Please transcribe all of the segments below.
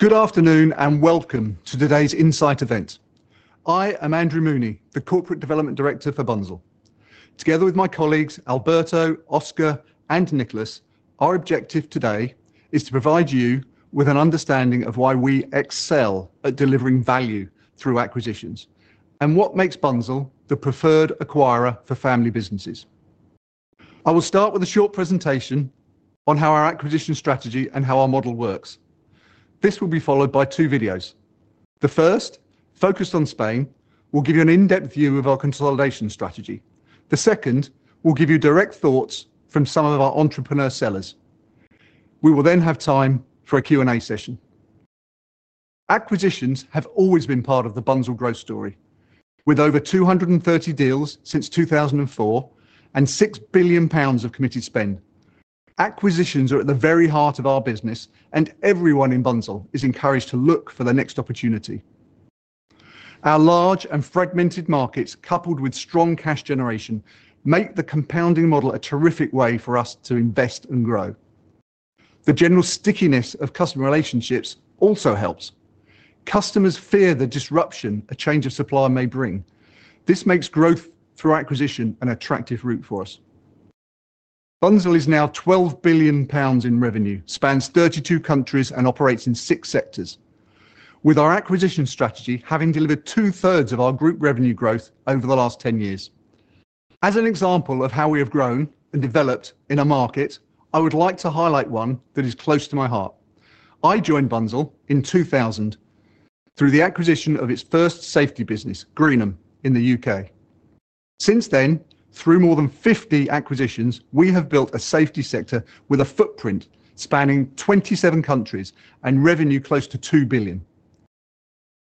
Good afternoon and welcome to today's Insight event. I am Andrew Mooney, the Corporate Development Director for Bunzl. Together with my colleagues Alberto, Oscar, and Nicholas, our objective today is to provide you with an understanding of why we excel at delivering value through acquisitions and what makes Bunzl the preferred acquirer for family businesses. I will start with a short presentation on how our acquisition strategy and how our model works. This will be followed by two videos. The first, focused on Spain, will give you an in-depth view of our consolidation strategy. The second will give you direct thoughts from some of our entrepreneur sellers. We will then have time for a Q&A session. Acquisitions have always been part of the Bunzl growth story, with over 230 deals since 2004 and 6 billion pounds of committed spend. Acquisitions are at the very heart of our business, and everyone in Bunzl is encouraged to look for the next opportunity. Our large and fragmented markets, coupled with strong cash generation, make the compounding model a terrific way for us to invest and grow. The general stickiness of customer relationships also helps. Customers fear the disruption a change of supply may bring. This makes growth through acquisition an attractive route for us. Bunzl is now 12 billion pounds in revenue, spans 32 countries, and operates in six sectors, with our acquisition strategy having delivered two-thirds of our group revenue growth over the last 10 years. As an example of how we have grown and developed in a market, I would like to highlight one that is close to my heart. I joined Bunzl in 2000 through the acquisition of its first safety business, Greenham, in the U.K. Since then, through more than 50 acquisitions, we have built a safety sector with a footprint spanning 27 countries and revenue close to 2 billion.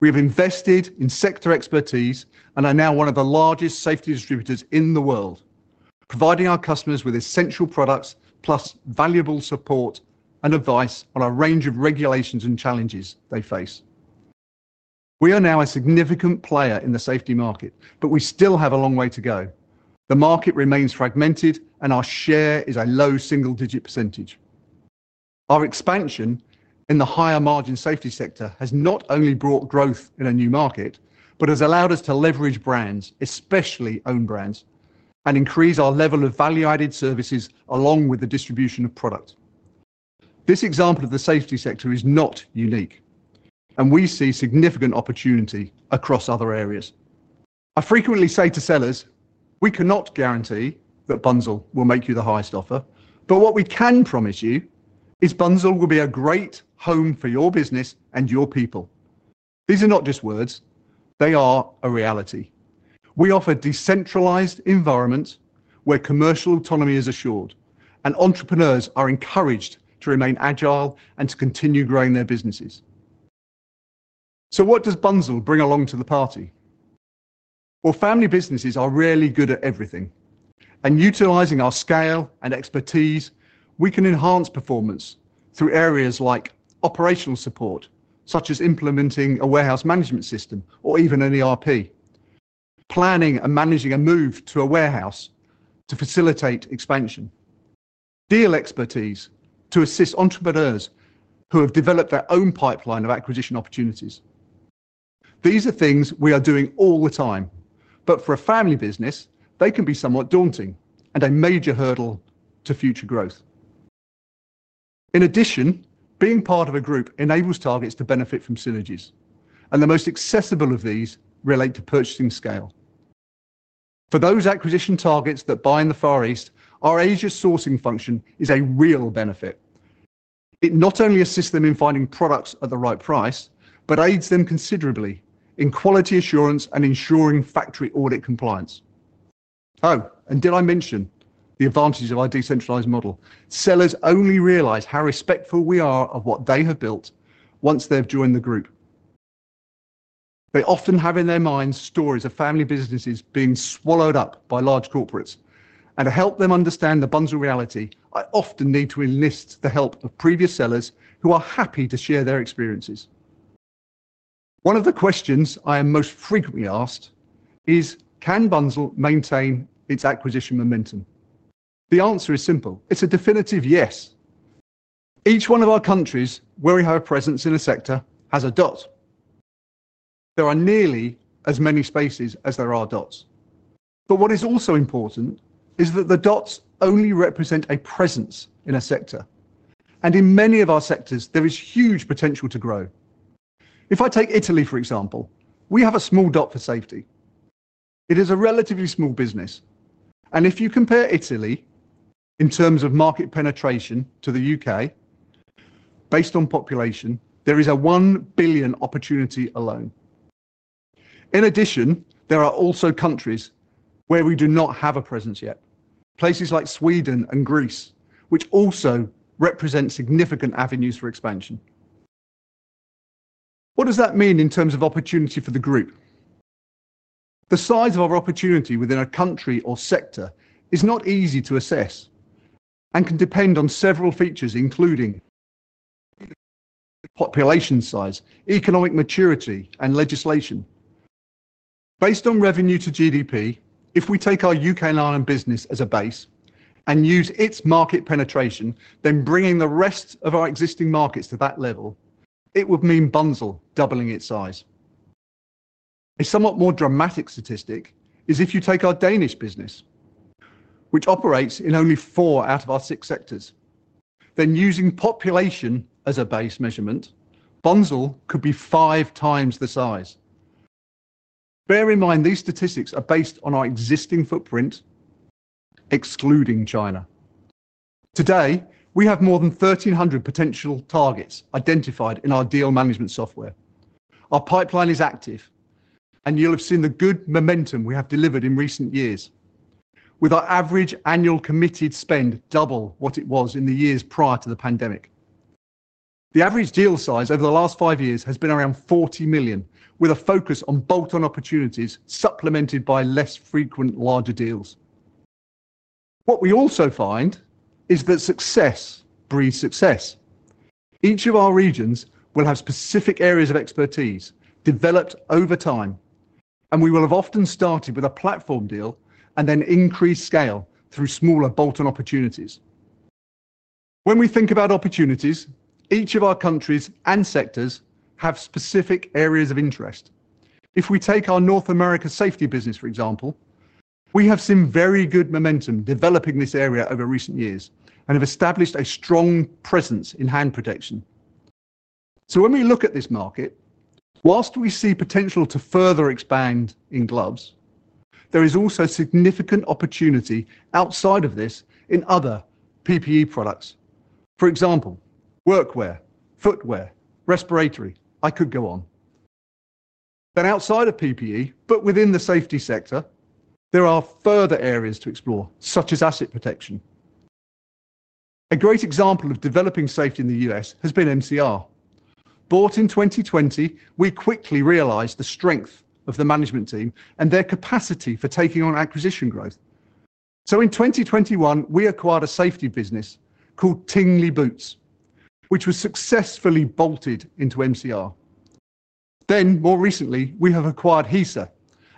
We have invested in sector expertise and are now one of the largest safety distributors in the world, providing our customers with essential products plus valuable support and advice on a range of regulations and challenges they face. We are now a significant player in the safety market, but we still have a long way to go. The market remains fragmented, and our share is a low single-digit percentage. Our expansion in the higher margin safety sector has not only brought growth in a new market but has allowed us to leverage brands, especially own brands, and increase our level of value-added services along with the distribution of product. This example of the safety sector is not unique, and we see significant opportunity across other areas. I frequently say to sellers, we cannot guarantee that Bunzl will make you the highest offer, but what we can promise you is Bunzl will be a great home for your business and your people. These are not just words, they are a reality. We offer decentralized environments where commercial autonomy is assured, and entrepreneurs are encouraged to remain agile and to continue growing their businesses. What does Bunzl bring along to the party? Family businesses are really good at everything, and utilizing our scale and expertise, we can enhance performance through areas like operational support, such as implementing a warehouse management system or even an ERP, planning and managing a move to a warehouse to facilitate expansion, deal expertise to assist entrepreneurs who have developed their own pipeline of acquisition opportunities. These are things we are doing all the time, but for a family business, they can be somewhat daunting and a major hurdle to future growth. In addition, being part of a group enables targets to benefit from synergies, and the most accessible of these relate to purchasing scale. For those acquisition targets that buy in the Far East, our Asia sourcing function is a real benefit. It not only assists them in finding products at the right price, but aids them considerably in quality assurance and ensuring factory audit compliance. Did I mention the advantages of our decentralized model? Sellers only realize how respectful we are of what they have built once they've joined the group. They often have in their minds stories of family businesses being swallowed up by large corporates, and to help them understand the Bunzl reality, I often need to enlist the help of previous sellers who are happy to share their experiences. One of the questions I am most frequently asked is, can Bunzl maintain its acquisition momentum? The answer is simple: it's a definitive yes. Each one of our countries where we have a presence in a sector has a dot. There are nearly as many spaces as there are dots, but what is also important is that the dots only represent a presence in a sector, and in many of our sectors, there is huge potential to grow. If I take Italy, for example, we have a small dot for safety. It is a relatively small business, and if you compare Italy in terms of market penetration to the U.K., based on population, there is a 1 billion opportunity alone. In addition, there are also countries where we do not have a presence yet, places like Sweden and Greece, which also represent significant avenues for expansion. What does that mean in terms of opportunity for the group? The size of our opportunity within a country or sector is not easy to assess and can depend on several features, including population size, economic maturity, and legislation. Based on revenue to GDP, if we take our U.K. and Ireland business as a base and use its market penetration, then bringing the rest of our existing markets to that level, it would mean Bunzl doubling its size. A somewhat more dramatic statistic is if you take our Danish business, which operates in only four out of our six sectors, then using population as a base measurement, Bunzl could be five times the size. Bear in mind these statistics are based on our existing footprint, excluding China. Today, we have more than 1,300 potential targets identified in our deal management software. Our pipeline is active, and you'll have seen the good momentum we have delivered in recent years, with our average annual committed spend double what it was in the years prior to the pandemic. The average deal size over the last five years has been around 40 million, with a focus on bolt-on opportunities supplemented by less frequent larger deals. What we also find is that success breeds success. Each of our regions will have specific areas of expertise developed over time, and we will have often started with a platform deal and then increased scale through smaller bolt-on opportunities. When we think about opportunities, each of our countries and sectors have specific areas of interest. If we take our North America safety business, for example, we have seen very good momentum developing this area over recent years and have established a strong presence in hand protection. When we look at this market, whilst we see potential to further expand in gloves, there is also significant opportunity outside of this in other PPE products. For example, workwear, footwear, respiratory, I could go on. Outside of PPE, but within the safety sector, there are further areas to explore, such as asset protection. A great example of developing safety in the US has been MCR. Bought in 2020, we quickly realized the strength of the management team and their capacity for taking on acquisition growth. In 2021, we acquired a safety business called Tingley Boots, which was successfully bolted into MCR. More recently, we have acquired Gisa,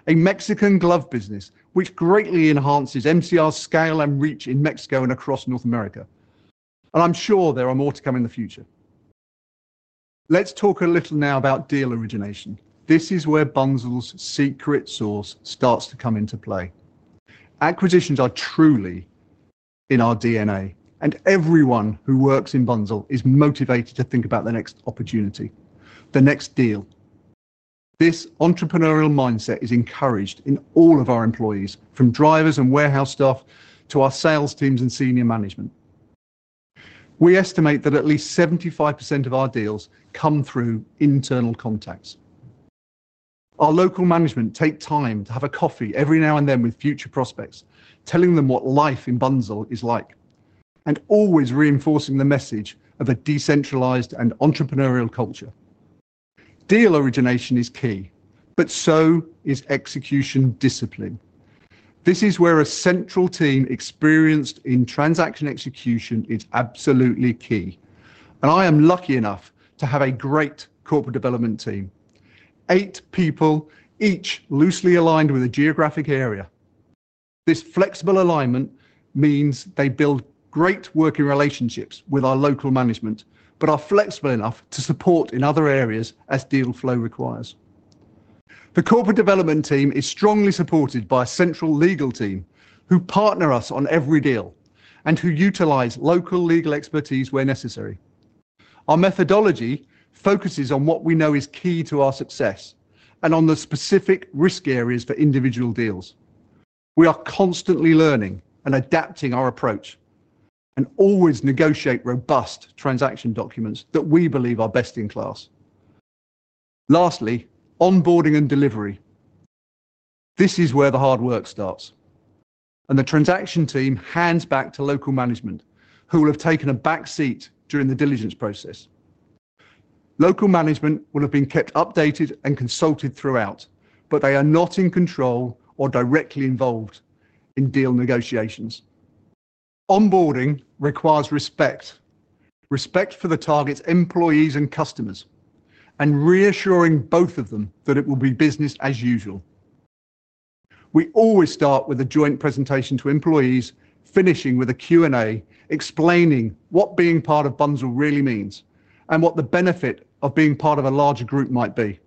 a Mexican glove business, which greatly enhances MCR's scale and reach in Mexico and across North America, and I'm sure there are more to come in the future. Let's talk a little now about deal origination. This is where Bunzl's secret sauce starts to come into play. Acquisitions are truly in our DNA, and everyone who works in Bunzl is motivated to think about the next opportunity, the next deal. This entrepreneurial mindset is encouraged in all of our employees, from drivers and warehouse staff to our sales teams and Senior Management. We estimate that at least 75% of our deals come through internal contacts. Our local management takes time to have a coffee every now and then with future prospects, telling them what life in Bunzl is like and always reinforcing the message of a decentralized and entrepreneurial culture. Deal origination is key, but so is execution discipline. This is where a central team experienced in transaction execution is absolutely key, and I am lucky enough to have a great Corporate Development team, eight people each loosely aligned with a geographic area. This flexible alignment means they build great working relationships with our local management but are flexible enough to support in other areas as deal flow requires. The Corporate Development team is strongly supported by a central legal team who partner us on every deal and who utilize local legal expertise where necessary. Our methodology focuses on what we know is key to our success and on the specific risk areas for individual deals. We are constantly learning and adapting our approach and always negotiate robust transaction documents that we believe are best in class. Lastly, onboarding and delivery. This is where the hard work starts, and the transaction team hands back to local management, who will have taken a back seat during the diligence process. Local management will have been kept updated and consulted throughout, but they are not in control or directly involved in deal negotiations. Onboarding requires respect, respect for the target's employees and customers, and reassuring both of them that it will be business as usual. We always start with a joint presentation to employees, finishing with a Q&A explaining what being part of Bunzl really means and what the benefit of being part of a larger group might be.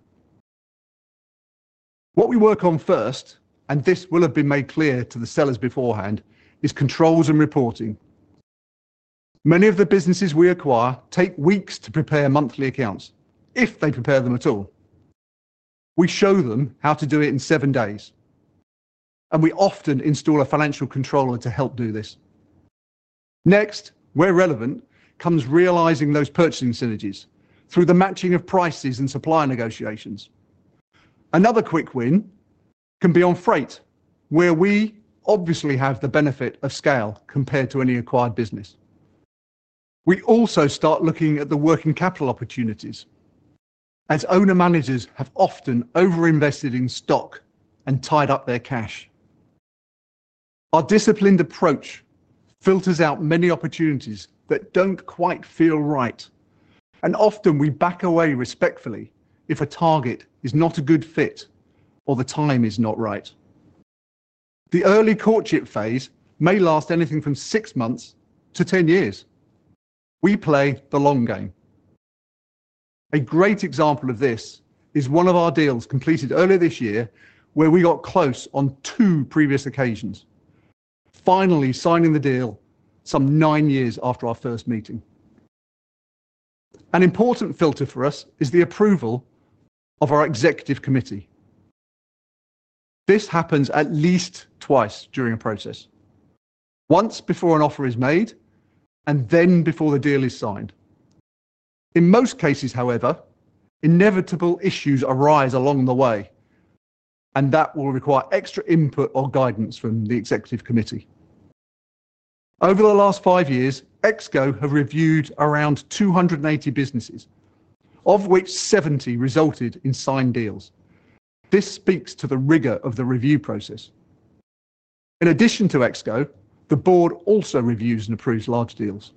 What we work on first, and this will have been made clear to the sellers beforehand, is controls and reporting. Many of the businesses we acquire take weeks to prepare monthly accounts, if they prepare them at all. We show them how to do it in seven days, and we often install a financial controller to help do this. Next, where relevant, comes realizing those purchasing synergies through the matching of prices and supply negotiations. Another quick win can be on freight, where we obviously have the benefit of scale compared to any acquired business. We also start looking at the working capital opportunities, as owner-managers have often overinvested in stock and tied up their cash. Our disciplined approach filters out many opportunities that don't quite feel right, and often we back away respectfully if a target is not a good fit or the time is not right. The early courtship phase may last anything from six months to 10 years. We play the long game. A great example of this is one of our deals completed earlier this year, where we got close on two previous occasions, finally signing the deal some nine years after our first meeting. An important filter for us is the approval of our Executive Committee. This happens at least twice during a process, once before an offer is made and then before the deal is signed. In most cases, however, inevitable issues arise along the way, and that will require extra input or guidance from the Executive Committee. Over the last five years, Exco have reviewed around 280 businesses, of which 70 resulted in signed deals. This speaks to the rigor of the review process. In addition to Exco, the board also reviews and approves large deals.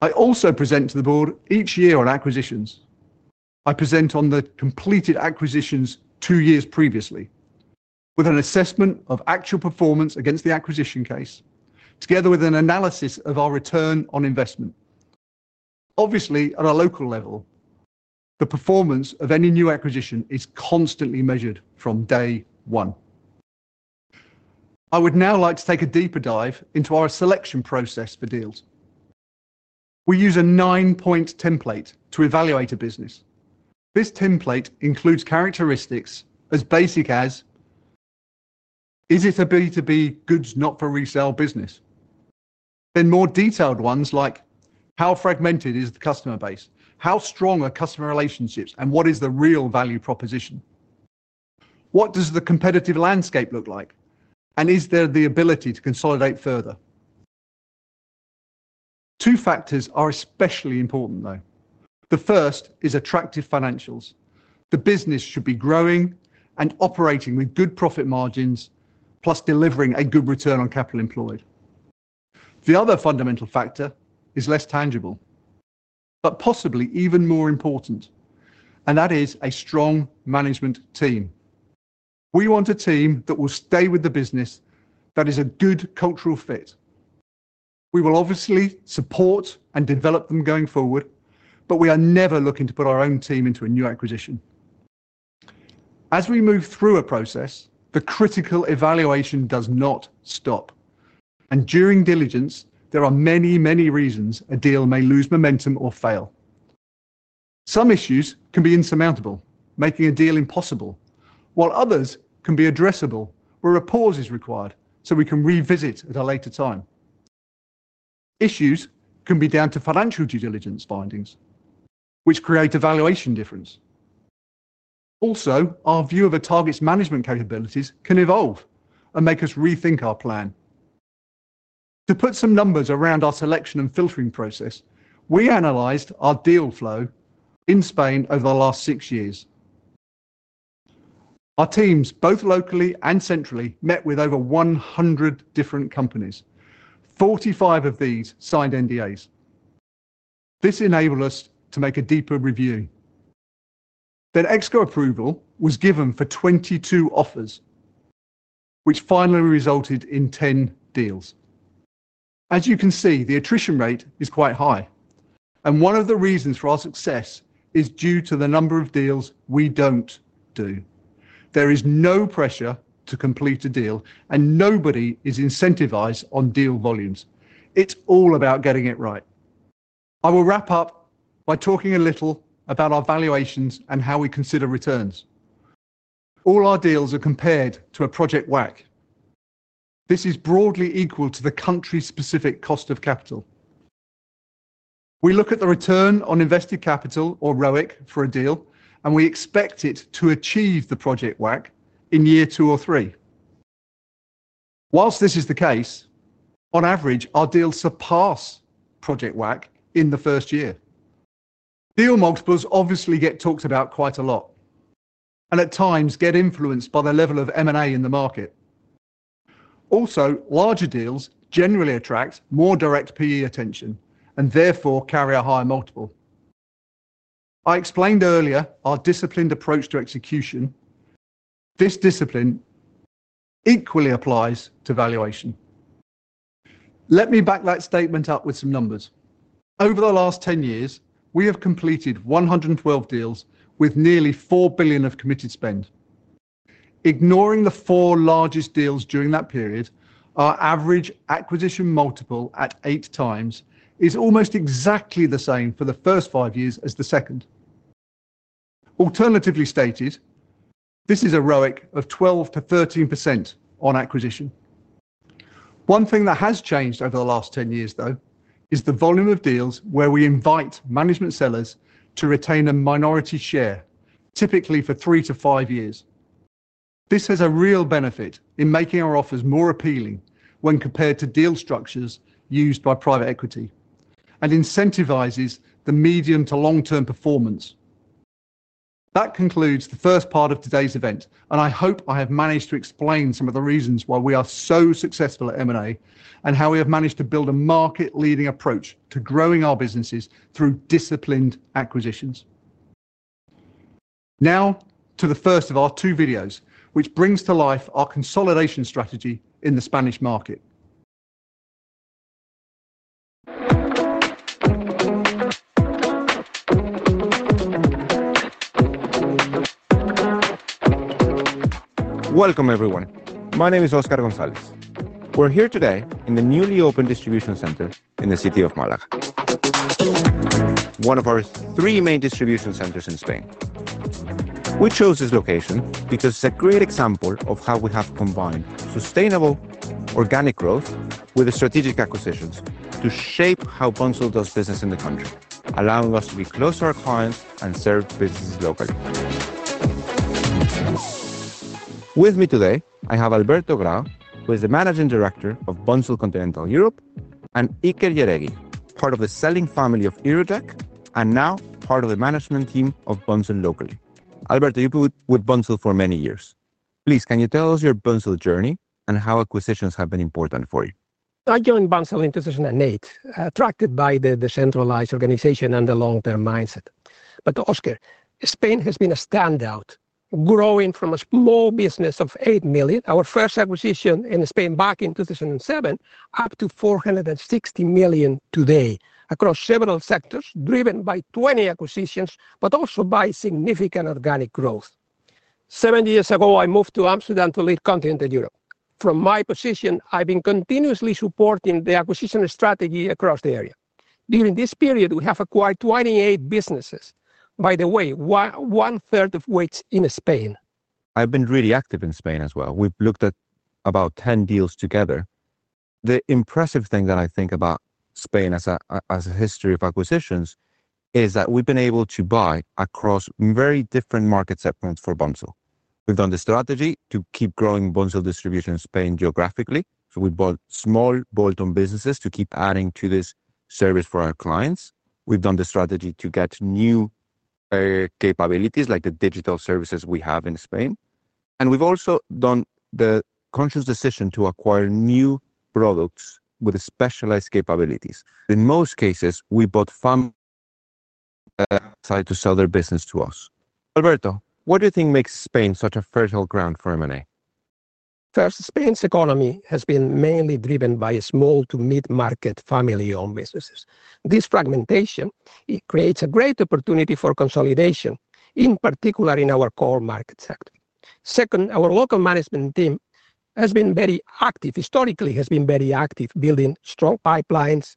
I also present to the board each year on acquisitions. I present on the completed acquisitions two years previously, with an assessment of actual performance against the acquisition case, together with an analysis of our return on investment. Obviously, at a local level, the performance of any new acquisition is constantly measured from day one. I would now like to take a deeper dive into our selection process for deals. We use a nine-point template to evaluate a business. This template includes characteristics as basic as, is it a B2B goods, not for resale business? More detailed ones like how fragmented is the customer base, how strong are customer relationships, and what is the real value proposition? What does the competitive landscape look like, and is there the ability to consolidate further? Two factors are especially important, though. The first is attractive financials. The business should be growing and operating with good profit margins, plus delivering a good return on capital employed. The other fundamental factor is less tangible, but possibly even more important, and that is a strong management team. We want a team that will stay with the business that is a good cultural fit. We will obviously support and develop them going forward, but we are never looking to put our own team into a new acquisition. As we move through a process, the critical evaluation does not stop, and during diligence, there are many, many reasons a deal may lose momentum or fail. Some issues can be insurmountable, making a deal impossible, while others can be addressable where a pause is required so we can revisit at a later time. Issues can be down to financial due diligence findings, which create a valuation difference. Also, our view of a target's management capabilities can evolve and make us rethink our plan. To put some numbers around our selection and filtering process, we analyzed our deal flow in Spain over the last six years. Our teams, both locally and centrally, met with over 100 different companies. 45 of these signed NDAs. This enabled us to make a deeper review. Exco approval was given for 22 offers, which finally resulted in 10 deals. As you can see, the attrition rate is quite high, and one of the reasons for our success is due to the number of deals we don't do. There is no pressure to complete a deal, and nobody is incentivized on deal volumes. It's all about getting it right. I will wrap up by talking a little about our valuations and how we consider returns. All our deals are compared to a project WACC. This is broadly equal to the country's specific cost of capital. We look at the return on invested capital, or ROIC, for a deal, and we expect it to achieve the project WACC in year two or three. Whilst this is the case, on average, our deals surpass project WACC in the first year. Deal multiples obviously get talked about quite a lot and at times get influenced by the level of M&A in the market. Also, larger deals generally attract more direct PE attention and therefore carry a higher multiple. I explained earlier our disciplined approach to execution. This discipline equally applies to valuation. Let me back that statement up with some numbers. Over the last 10 years, we have completed 112 deals with nearly 4 billion of committed spend. Ignoring the four largest deals during that period, our average acquisition multiple at 8 times is almost exactly the same for the first five years as the second. Alternatively stated, this is a ROIC of 12%-13% on acquisition. One thing that has changed over the last 10 years, though, is the volume of deals where we invite management sellers to retain a minority share, typically for three to five years. This has a real benefit in making our offers more appealing when compared to deal structures used by private equity and incentivizes the medium to long-term performance. That concludes the first part of today's event, and I hope I have managed to explain some of the reasons why we are so successful at M&A and how we have managed to build a market-leading approach to growing our businesses through disciplined acquisitions. Now to the first of our two videos, which brings to life our consolidation strategy in the Spanish market. Welcome, everyone. My name is Oscar Gonzalez. We're here today in the newly opened distribution center in the city of Málaga, one of our three main distribution centers in Spain. We chose this location because it's a great example of how we have combined sustainable organic growth with strategic acquisitions to shape how Bunzl does business in the country, allowing us to be close to our clients and serve businesses locally. With me today, I have Alberto Grau, who is the Managing Director of Bunzl Continental Europe, and Iker Yeregui, part of the selling family of Irudek and now part of the management team of Bunzl locally. Alberto, you've been with Bunzl for many years. Please, can you tell us your Bunzl journey and how acquisitions have been important for you? I joined Bunzl in 2008, attracted by the decentralized organization and the long-term mindset. Oscar, Spain has been a standout, growing from a small business of 8 million, our first acquisition in Spain back in 2007, up to 460 million today across several sectors, driven by 20 acquisitions, also by significant organic growth. Seven years ago, I moved to Amsterdam to lead Continental Europe. From my position, I've been continuously supporting the acquisition strategy across the area. During this period, we have acquired 28 businesses, by the way, one-third of which are in Spain. I've been really active in Spain as well. We've looked at about 10 deals together. The impressive thing that I think about Spain as a history of acquisitions is that we've been able to buy across very different market segments for Bunzl. We've done the strategy to keep growing Bunzl distribution in Spain geographically. We bought small bolt-on businesses to keep adding to this service for our clients. We've done the strategy to get new capabilities, like the digital services we have in Spain. We've also made the conscious decision to acquire new products with specialized capabilities. In most cases, we bought family-owned businesses to sell their business to us. Alberto, what do you think makes Spain such a fertile ground for M&A? First, Spain's economy has been mainly driven by small to mid-market family-owned businesses. This fragmentation creates a great opportunity for consolidation, in particular in our core market sector. Second, our local management team has been very active, historically has been very active, building strong pipelines,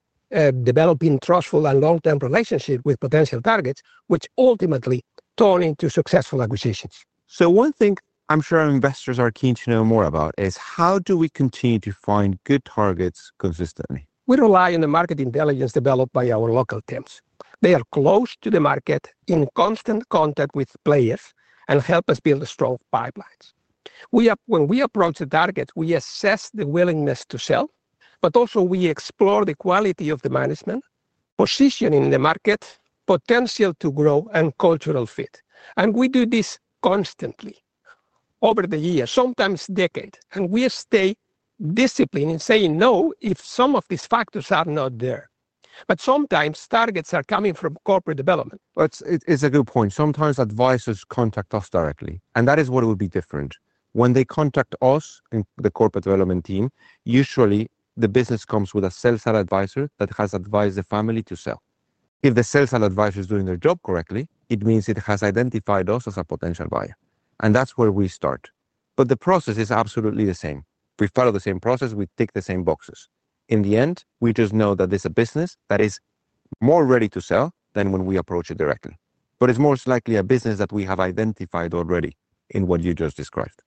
developing trustful and long-term relationships with potential targets, which ultimately turn into successful acquisitions. One thing I'm sure our investors are keen to know more about is how do we continue to find good targets consistently? We rely on the market intelligence developed by our local teams. They are close to the market, in constant contact with players, and help us build strong pipelines. When we approach the targets, we assess the willingness to sell, we also explore the quality of the management, position in the market, potential to grow, and cultural fit. We do this constantly over the years, sometimes decades, and we stay disciplined in saying no if some of these factors are not there. Sometimes targets are coming from Corporate Development. It's a good point. Sometimes advisors contact us directly, and that is what would be different. When they contact us and the corporate development team, usually the business comes with a sales advisor that has advised the family to sell. If the sales advisor is doing their job correctly, it means it has identified us as a potential buyer, and that's where we start. The process is absolutely the same. We follow the same process and tick the same boxes. In the end, we just know that this is a business that is more ready to sell than when we approach it directly. It is most likely a business that we have identified already in what you just described.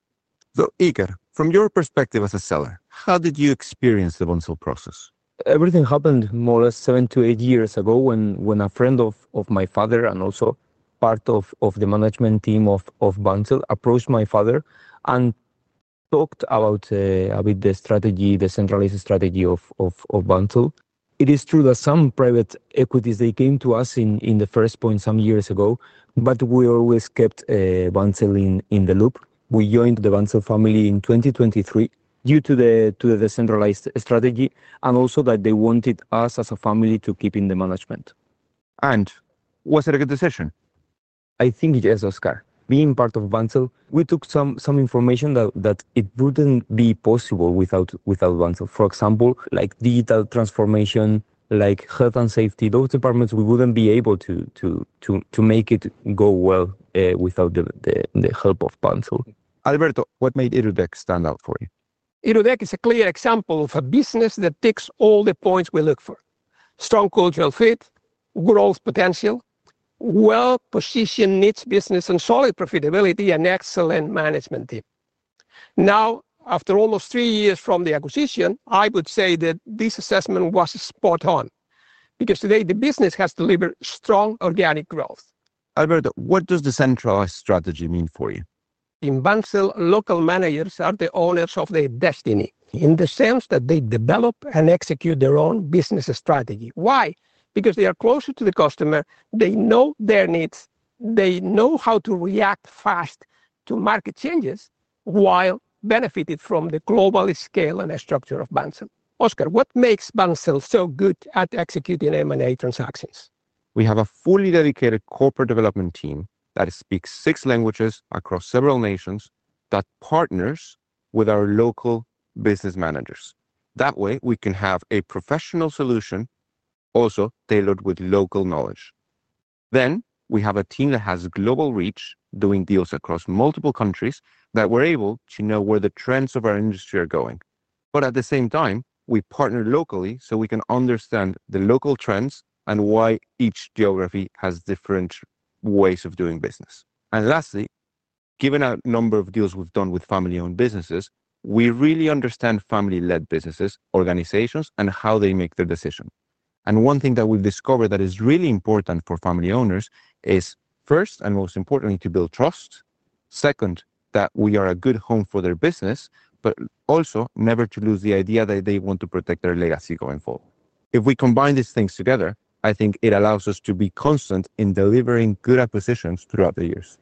Iker, from your perspective as a seller, how did you experience the Bunzl process? Everything happened more or less seven to eight years ago when a friend of my father and also part of the management team of Bunzl approached my father and talked about a bit the strategy, the centralized strategy of Bunzl. It is true that some private equities came to us in the first point some years ago, but we always kept Bunzl in the loop. We joined the Bunzl family in 2023 due to the decentralized strategy and also that they wanted us as a family to keep in the management. Was it a good decision? I think it is, Oscar. Being part of Bunzl, we took some information that it wouldn't be possible without Bunzl. For example, like digital transformation, like health and safety, those departments, we wouldn't be able to make it go well without the help of Bunzl. Alberto, what made Irudek stand out for you? Irudek is a clear example of a business that ticks all the points we look for: strong cultural fit, growth potential, well-positioned niche business, solid profitability, and excellent management team. Now, after almost three years from the acquisition, I would say that this assessment was spot on because today the business has delivered strong organic growth. Alberto, what does the centralized strategy mean for you? In Bunzl, local managers are the owners of their destiny in the sense that they develop and execute their own business strategy. Why? Because they are closer to the customer, they know their needs, they know how to react fast to market changes while benefiting from the global scale and structure of Bunzl. Oscar, what makes Bunzl so good at executing M&A transactions? We have a fully dedicated corporate development team that speaks six languages across several nations that partners with our local business managers. That way, we can have a professional solution also tailored with local knowledge. We have a team that has global reach doing deals across multiple countries that we're able to know where the trends of our industry are going. At the same time, we partner locally so we can understand the local trends and why each geography has different ways of doing business. Lastly, given a number of deals we've done with family-owned businesses, we really understand family-led businesses, organizations, and how they make their decision. One thing that we've discovered that is really important for family owners is, first and most importantly, to build trust. Second, that we are a good home for their business, but also never to lose the idea that they want to protect their legacy going forward. If we combine these things together, I think it allows us to be constant in delivering good acquisitions throughout the years.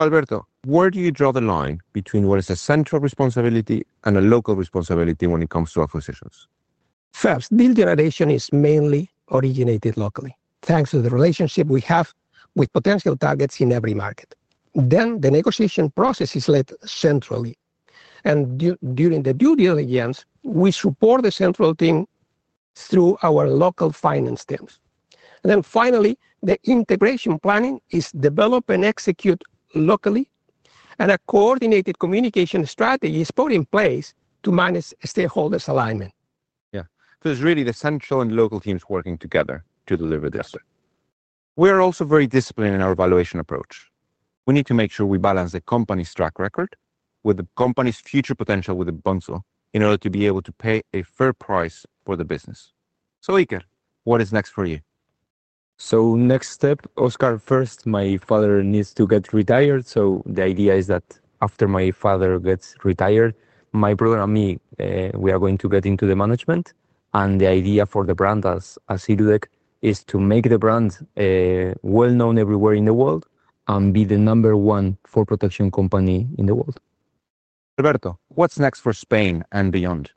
Alberto, where do you draw the line between what is a central responsibility and a local responsibility when it comes to acquisitions? First, deal generation is mainly originated locally, thanks to the relationship we have with potential targets in every market. The negotiation process is led centrally, and during the due diligence, we support the central team through our local finance teams. Finally, the integration planning is developed and executed locally, and a coordinated communication strategy is put in place to manage stakeholders' alignment. Yeah, so it's really the Central and local teams working together to deliver this. Yes. We are also very disciplined in our valuation approach. We need to make sure we balance the company's track record with the company's future potential within Bunzl in order to be able to pay a fair price for the business. Iker, what is next for you? Next step, Oscar, first, my father needs to get retired. The idea is that after my father gets retired, my brother and me, we are going to get into the management. The idea for the brand as Irudek is to make the brand well-known everywhere in the world and be the number one food protection company in the world. Alberto, what's next for Spain and beyond?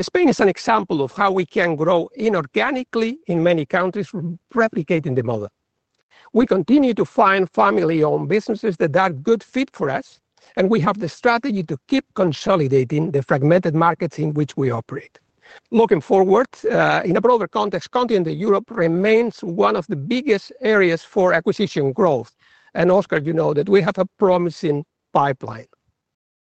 Spain is an example of how we can grow inorganically in many countries, replicating the model. We continue to find family-owned businesses that are a good fit for us, and we have the strategy to keep consolidating the fragmented markets in which we operate. Looking forward, in a broader context, Continental Europe remains one of the biggest areas for acquisition growth. Oscar, you know that we have a promising pipeline.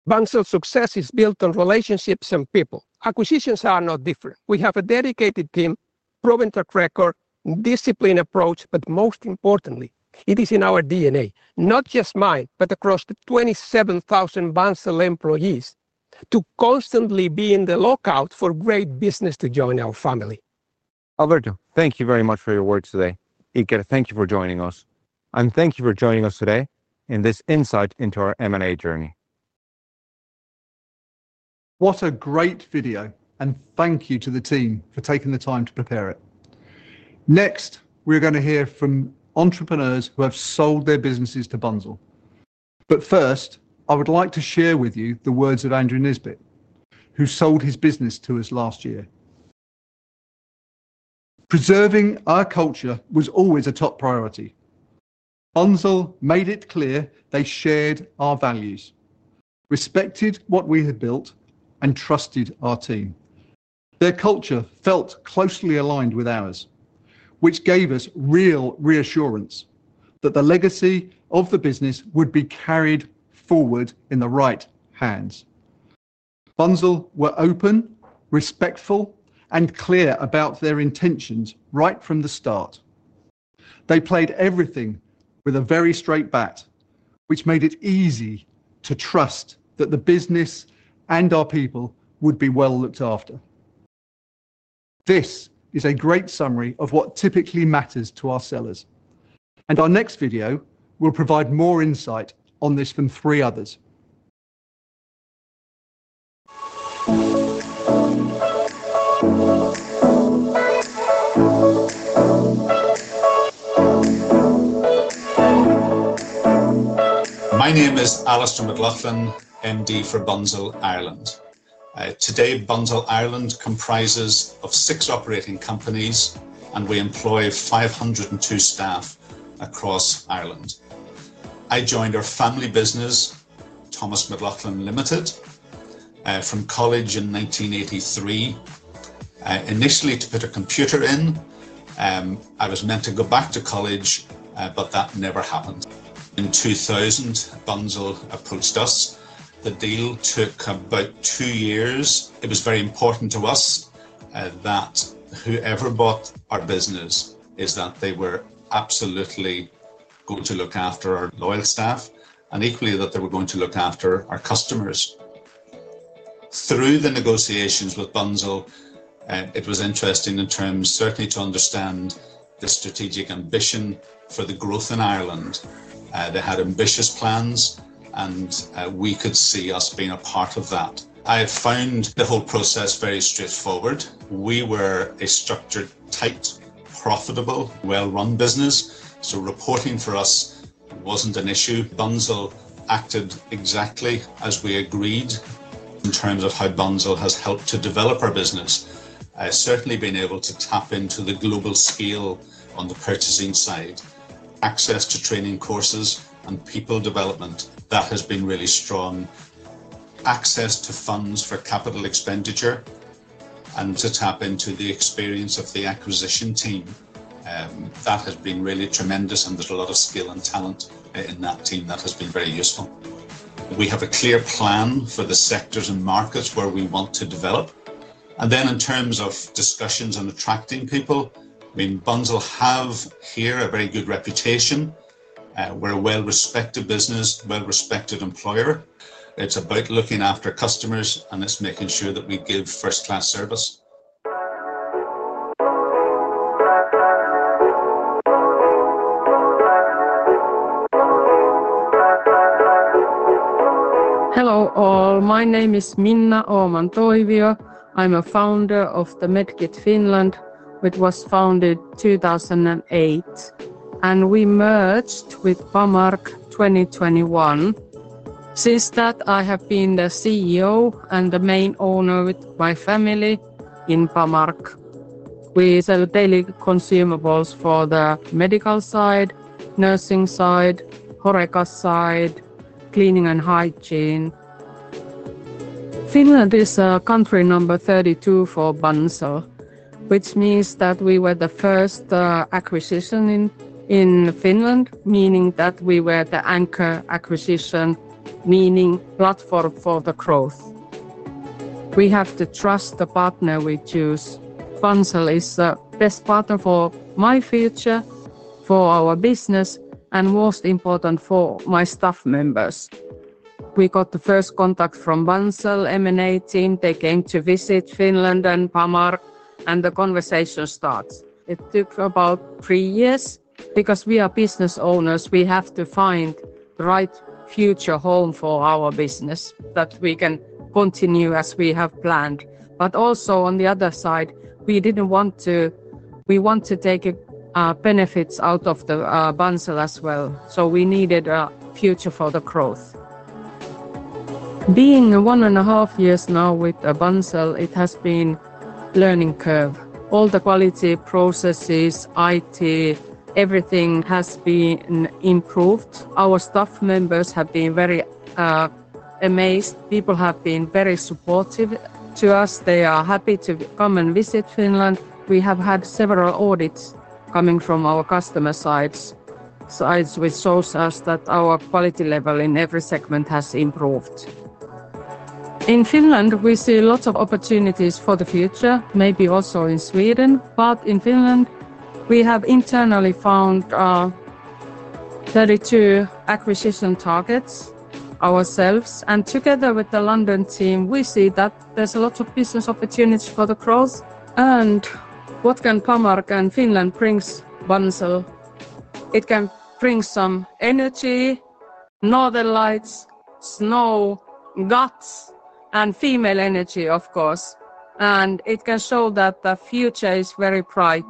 Bunzl's success is built on relationships and people. Acquisitions are no different. We have a dedicated team, proven track record, disciplined approach, but most importantly, it is in our DNA, not just mine, but across the 27,000 Bunzl employees, to constantly be on the lookout for great business to join our family. Alberto, thank you very much for your words today. Iker, thank you for joining us, and thank you for joining us today in this insight into our M&A journey. What a great video, and thank you to the team for taking the time to prepare it. Next, we're going to hear from entrepreneurs who have sold their businesses to Bunzl. First, I would like to share with you the words of Andrew Nisbet, who sold his business to us last year. Preserving our culture was always a top priority. Bunzl made it clear they shared our values, respected what we had built, and trusted our team. Their culture felt closely aligned with ours, which gave us real reassurance that the legacy of the business would be carried forward in the right hands. Bunzl were open, respectful, and clear about their intentions right from the start. They played everything with a very straight bat, which made it easy to trust that the business and our people would be well looked after. This is a great summary of what typically matters to our sellers, and our next video will provide more insight on this from three others. My name is Alastair McLaughlin, MD for Bunzl Ireland. Today, Bunzl Ireland comprises six operating companies, and we employ 502 staff across Ireland. I joined our family business, Thomas McLaughlin Ltd, from college in 1983. Initially, to put a computer in, I was meant to go back to college, but that never happened. In 2000, Bunzl approached us. The deal took about two years. It was very important to us that whoever bought our business was absolutely going to look after our loyal staff and equally that they were going to look after our customers. Through the negotiations with Bunzl, it was interesting, certainly, to understand the strategic ambition for the growth in Ireland. They had ambitious plans, and we could see us being a part of that. I found the whole process very straightforward. We were a structured, tight, profitable, well-run business, so reporting for us wasn't an issue. Bunzl acted exactly as we agreed in terms of how Bunzl has helped to develop our business. I've certainly been able to tap into the global skill on the purchasing side, access to training courses and people development that has been really strong, access to funds for capital expenditure, and to tap into the experience of the acquisition team that had been really tremendous and there's a lot of skill and talent in that team that has been very useful. We have a clear plan for the sectors and markets where we want to develop. In terms of discussions and attracting people, Bunzl have here a very good reputation. We're a well-respected business, well-respected employer. It's about looking after customers and us making sure that we give first-class service. Hello all, my name is Minna Åman-Toivio. I'm a founder of Medkit Finland, which was founded in 2008, and we merged with Panmark in 2021. Since that, I have been the CEO and the main owner with my family in Panmark. We sell daily consumables for the medical side, nursing side, Horeca side, cleaning, and hygiene. Finland is country number 32 for Bunzl, which means that we were the first acquisition in Finland, meaning that we were the anchor acquisition, meaning platform for the growth. We have to trust the partner we choose. Bunzl is the best partner for my future, for our business, and most important for my staff members. We got the first contact from Bunzl M&A team. They came to visit Finland and Panmark, and the conversation starts. It took about three years because we are business owners. We have to find the right future home for our business that we can continue as we have planned. Also, on the other side, we didn't want to take benefits out of Bunzl as well, so we needed a future for the growth. Being one and a half years now with Bunzl, it has been a learning curve. All the quality processes, IT, everything has been improved. Our staff members have been very amazed. People have been very supportive to us. They are happy to come and visit Finland. We have had several audits coming from our customer sides, which shows us that our quality level in every segment has improved. In Finland, we see lots of opportunities for the future, maybe also in Sweden. In Finland, we have internally found 32 acquisition targets ourselves. Together with the London team, we see that there's a lot of business opportunities for the growth. What can Bamark and Finland bring Bunzl? It can bring some energy, Northern Lights, snow, guts, and female energy, of course. It can show that the future is very bright.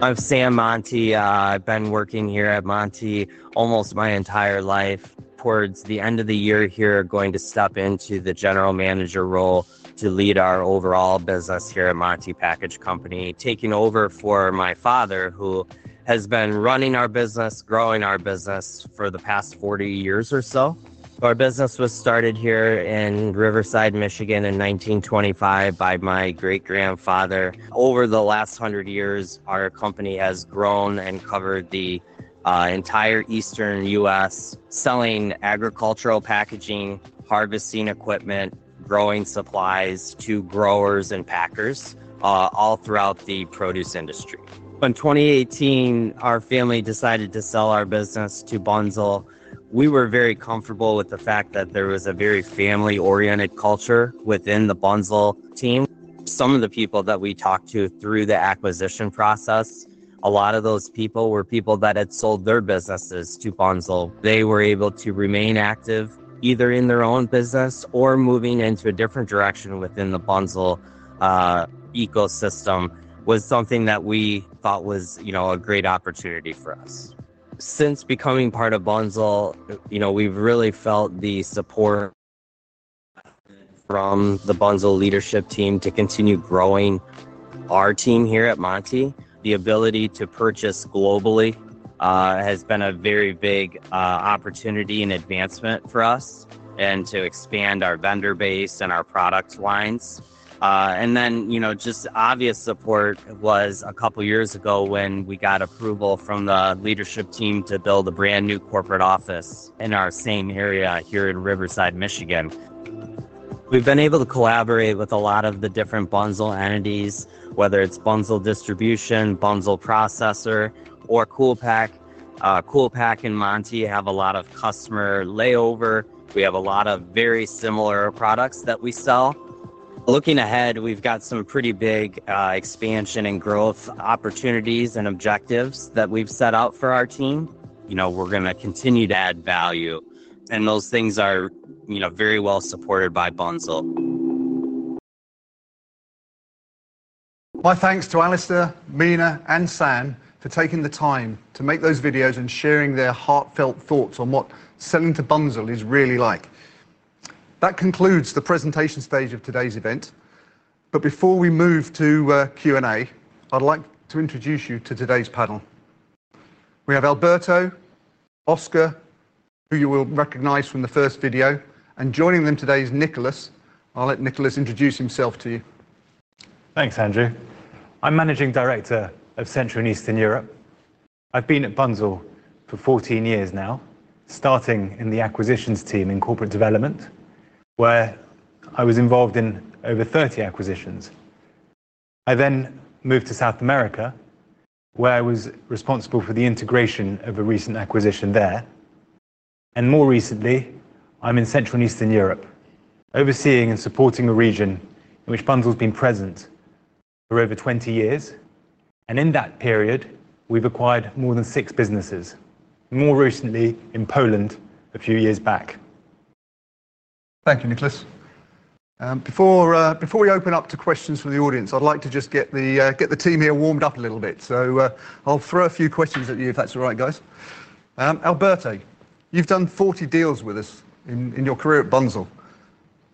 I'm Sam Monte. I've been working here at Monte almost my entire life. Towards the end of the year here, going to step into the General Manager role to lead our overall business here at Monte Package Company, taking over for my father, who has been running our business, growing our business for the past 40 years or so. Our business was started here in Riverside, Michigan, in 1925 by my great-grandfather. Over the last 100 years, our company has grown and covered the entire Eastern U.S., selling agricultural packaging, harvesting equipment, growing supplies to growers and packers all throughout the produce industry. In 2018, our family decided to sell our business to Bunzl. We were very comfortable with the fact that there was a very family-oriented culture within the Bunzl team. Some of the people that we talked to through the acquisition process, a lot of those people were people that had sold their businesses to Bunzl. They were able to remain active either in their own business or moving into a different direction within the Bunzl ecosystem, which was something that we thought was a great opportunity for us. Since becoming part of Bunzl, we've really felt the support from the Bunzl leadership team to continue growing our team here at Monte. The ability to purchase globally has been a very big opportunity and advancement for us and to expand our vendor base and our product lines. A clear example of support was a couple of years ago when we got approval from the leadership team to build a brand new corporate office in our same area here in Riverside, Michigan. We've been able to collaborate with a lot of the different Bunzl entities, whether it's Bunzl Distribution, Bunzl Processor, or Coolpack. Coolpack and Monte have a lot of customer layover. We have a lot of very similar products that we sell. Looking ahead, we've got some pretty big expansion and growth opportunities and objectives that we've set out for our team. We're going to continue to add value, and those things are very well supported by Bunzl. My thanks to Alastair, Minna, and Sam for taking the time to make those videos and sharing their heartfelt thoughts on what selling to Bunzl is really like. That concludes the presentation stage of today's event. Before we move to Q&A, I'd like to introduce you to today's panel. We have Alberto, Oscar, who you will recognize from the first video, and joining them today is Nicholas. I'll let Nicholas introduce himself to you. Thanks, Andrew. I'm Managing Director of Central and Eastern Europe. I've been at Bunzl for 14 years now, starting in the acquisitions team in Corporate Development, where I was involved in over 30 acquisitions. I then moved to South America, where I was responsible for the integration of a recent acquisition there. More recently, I'm in Central and Eastern Europe, overseeing and supporting a region in which Bunzl has been present for over 20 years. In that period, we've acquired more than six businesses, more recently in Poland a few years back. Thank you, Nicholas. Before we open up to questions from the audience, I'd like to just get the team here warmed up a little bit. I'll throw a few questions at you, if that's all right, guys. Alberto, you've done 40 deals with us in your career at Bunzl.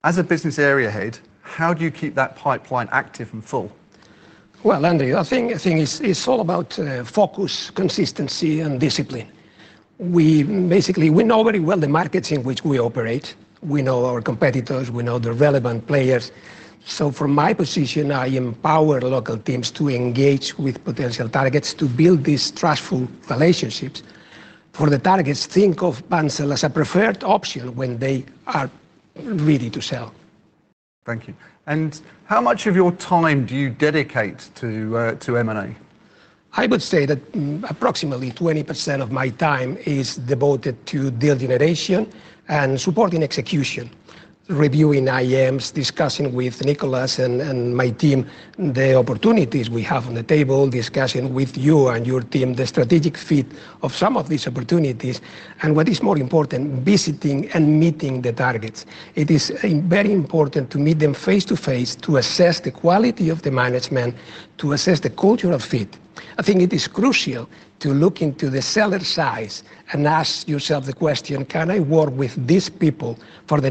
As a Business Area Head, how do you keep that pipeline active and full? It is all about focus, consistency, and discipline. We basically know very well the markets in which we operate. We know our competitors. We know the relevant players. From my position, I empower local teams to engage with potential targets to build these trustful relationships. For the targets, think of Bunzl as a preferred option when they are ready to sell. Thank you. How much of your time do you dedicate to M&A? I would say that approximately 20% of my time is devoted to deal generation and supporting execution, reviewing IMs, discussing with Nicholas and my team the opportunities we have on the table, discussing with you and your team the strategic fit of some of these opportunities, and what is more important, visiting and meeting the targets. It is very important to meet them face to face to assess the quality of the management, to assess the cultural fit. I think it is crucial to look into the seller's size and ask yourself the question, can I work with these people for the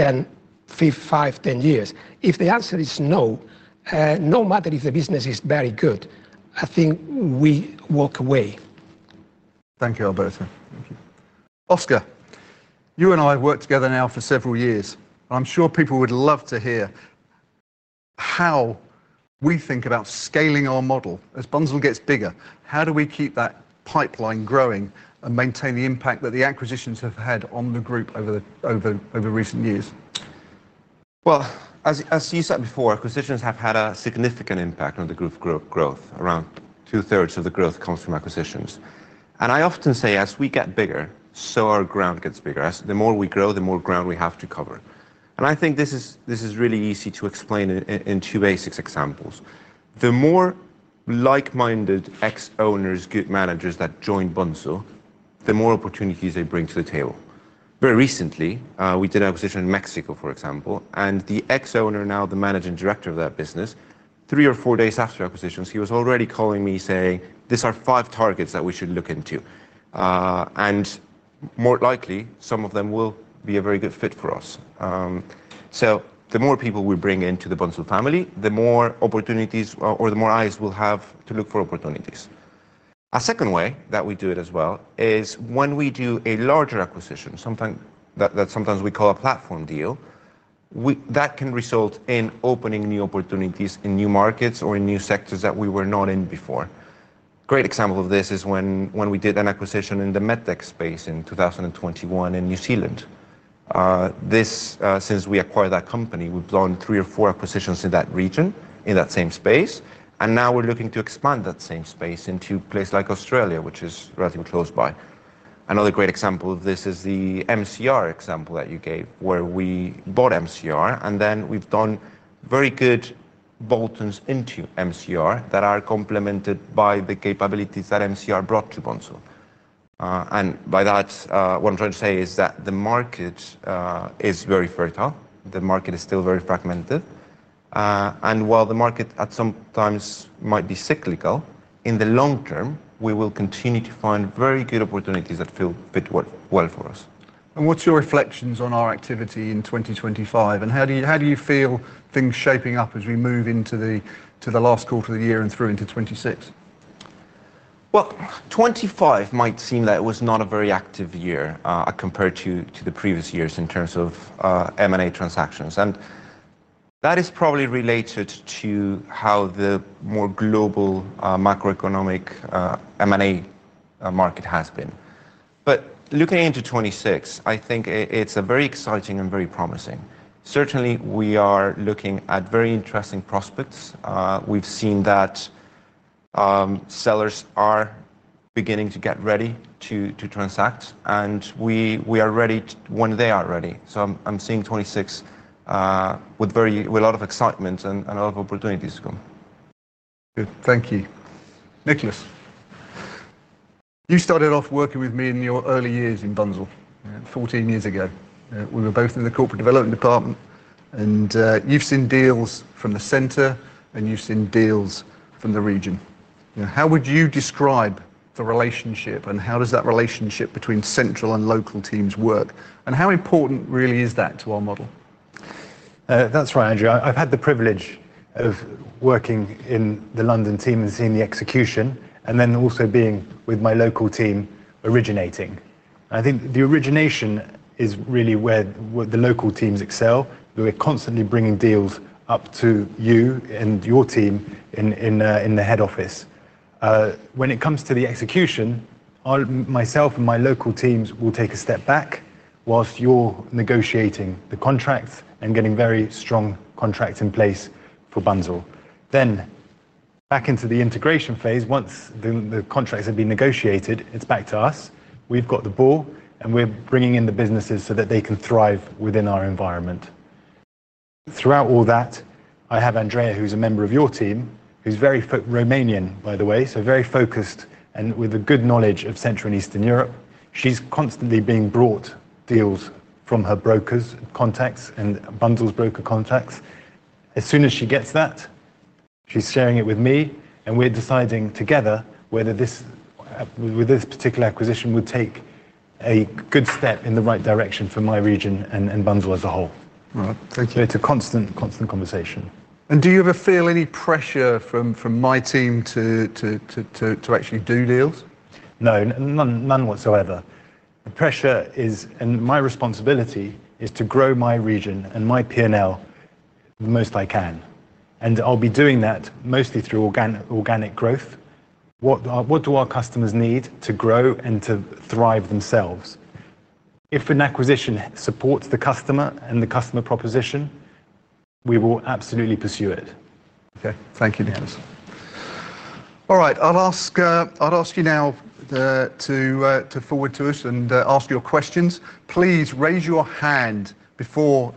next five, ten years? If the answer is no, no matter if the business is very good, I think we walk away. Thank you, Alberto. Thank you, Oscar. You and I have worked together now for several years, and I'm sure people would love to hear how we think about scaling our model as Bunzl gets bigger. How do we keep that pipeline growing and maintain the impact that the acquisitions have had on the group over the recent years? As you said before, acquisitions have had a significant impact on the group growth. Around two-thirds of the growth comes from acquisitions. I often say, as we get bigger, so our ground gets bigger. The more we grow, the more ground we have to cover. I think this is really easy to explain in two basic examples. The more like-minded ex-owners, good managers that join Bunzl, the more opportunities they bring to the table. Very recently, we did an acquisition in Mexico, for example, and the ex-owner, now the Managing Director of that business, three or four days after acquisitions, he was already calling me saying, "These are five targets that we should look into." More likely, some of them will be a very good fit for us. The more people we bring into the Bunzl family, the more opportunities or the more eyes we'll have to look for opportunities. A second way that we do it as well is when we do a larger acquisition, something that sometimes we call a platform deal, that can result in opening new opportunities in new markets or in new sectors that we were not in before. A great example of this is when we did an acquisition in the MedTech space in 2021 in New Zealand. Since we acquired that company, we've blown three or four acquisitions in that region in that same space, and now we're looking to expand that same space into a place like Australia, which is relatively close by. Another great example of this is the MCR example that you gave, where we bought MCR, and then we've done very good bolt-ons into MCR that are complemented by the capabilities that MCR brought to Bunzl. By that, what I'm trying to say is that the market is very fertile. The market is still very fragmented. While the market at some times might be cyclical, in the long term, we will continue to find very good opportunities that feel a bit well for us. What are your reflections on our activity in 2025, and how do you feel things are shaping up as we move into the last quarter of the year and through into 2026? 2025 might seem that it was not a very active year compared to the previous years in terms of M&A transactions, and that is probably related to how the more global macroeconomic M&A market has been. Looking into 2026, I think it's very exciting and very promising. Certainly, we are looking at very interesting prospects. We've seen that sellers are beginning to get ready to transact, and we are ready when they are ready. I'm seeing 2026 with a lot of excitement and a lot of opportunities to come. Good. Thank you. Nicholas, you started off working with me in your early years in Bunzl, 14 years ago. We were both in the Corporate Development department, and you've seen deals from the center, and you've seen deals from the region. How would you describe the relationship, and how does that relationship between central and local teams work, and how important really is that to our model? That's right, Andrew. I've had the privilege of working in the London team and seeing the execution, and then also being with my local team originating. I think the origination is really where the local teams excel. We're constantly bringing deals up to you and your team in the head office. When it comes to the execution, myself and my local teams will take a step back whilst you're negotiating the contracts and getting very strong contracts in place for Bunzl. Back into the integration phase, once the contracts have been negotiated, it's back to us. We've got the ball, and we're bringing in the businesses so that they can thrive within our environment. Throughout all that, I have Andrea, who's a member of your team, who's very Romanian, by the way, so very focused and with a good knowledge of Central and Eastern Europe. She's constantly being brought deals from her broker's contacts and Bunzl's broker contacts. As soon as she gets that, she's sharing it with me, and we're deciding together whether this particular acquisition would take a good step in the right direction for my region and Bunzl as a whole. Right. Thank you. It's a constant, constant conversation. Do you ever feel any pressure from my team to actually do deals? No, none whatsoever. The pressure is, and my responsibility is to grow my region and my P&L the most I can, and I'll be doing that mostly through organic growth. What do our customers need to grow and to thrive themselves? If an acquisition supports the customer and the customer proposition, we will absolutely pursue it. Okay. Thank you, Nicholas. All right, I'll ask you now to forward to us and ask your questions. Please raise your hand before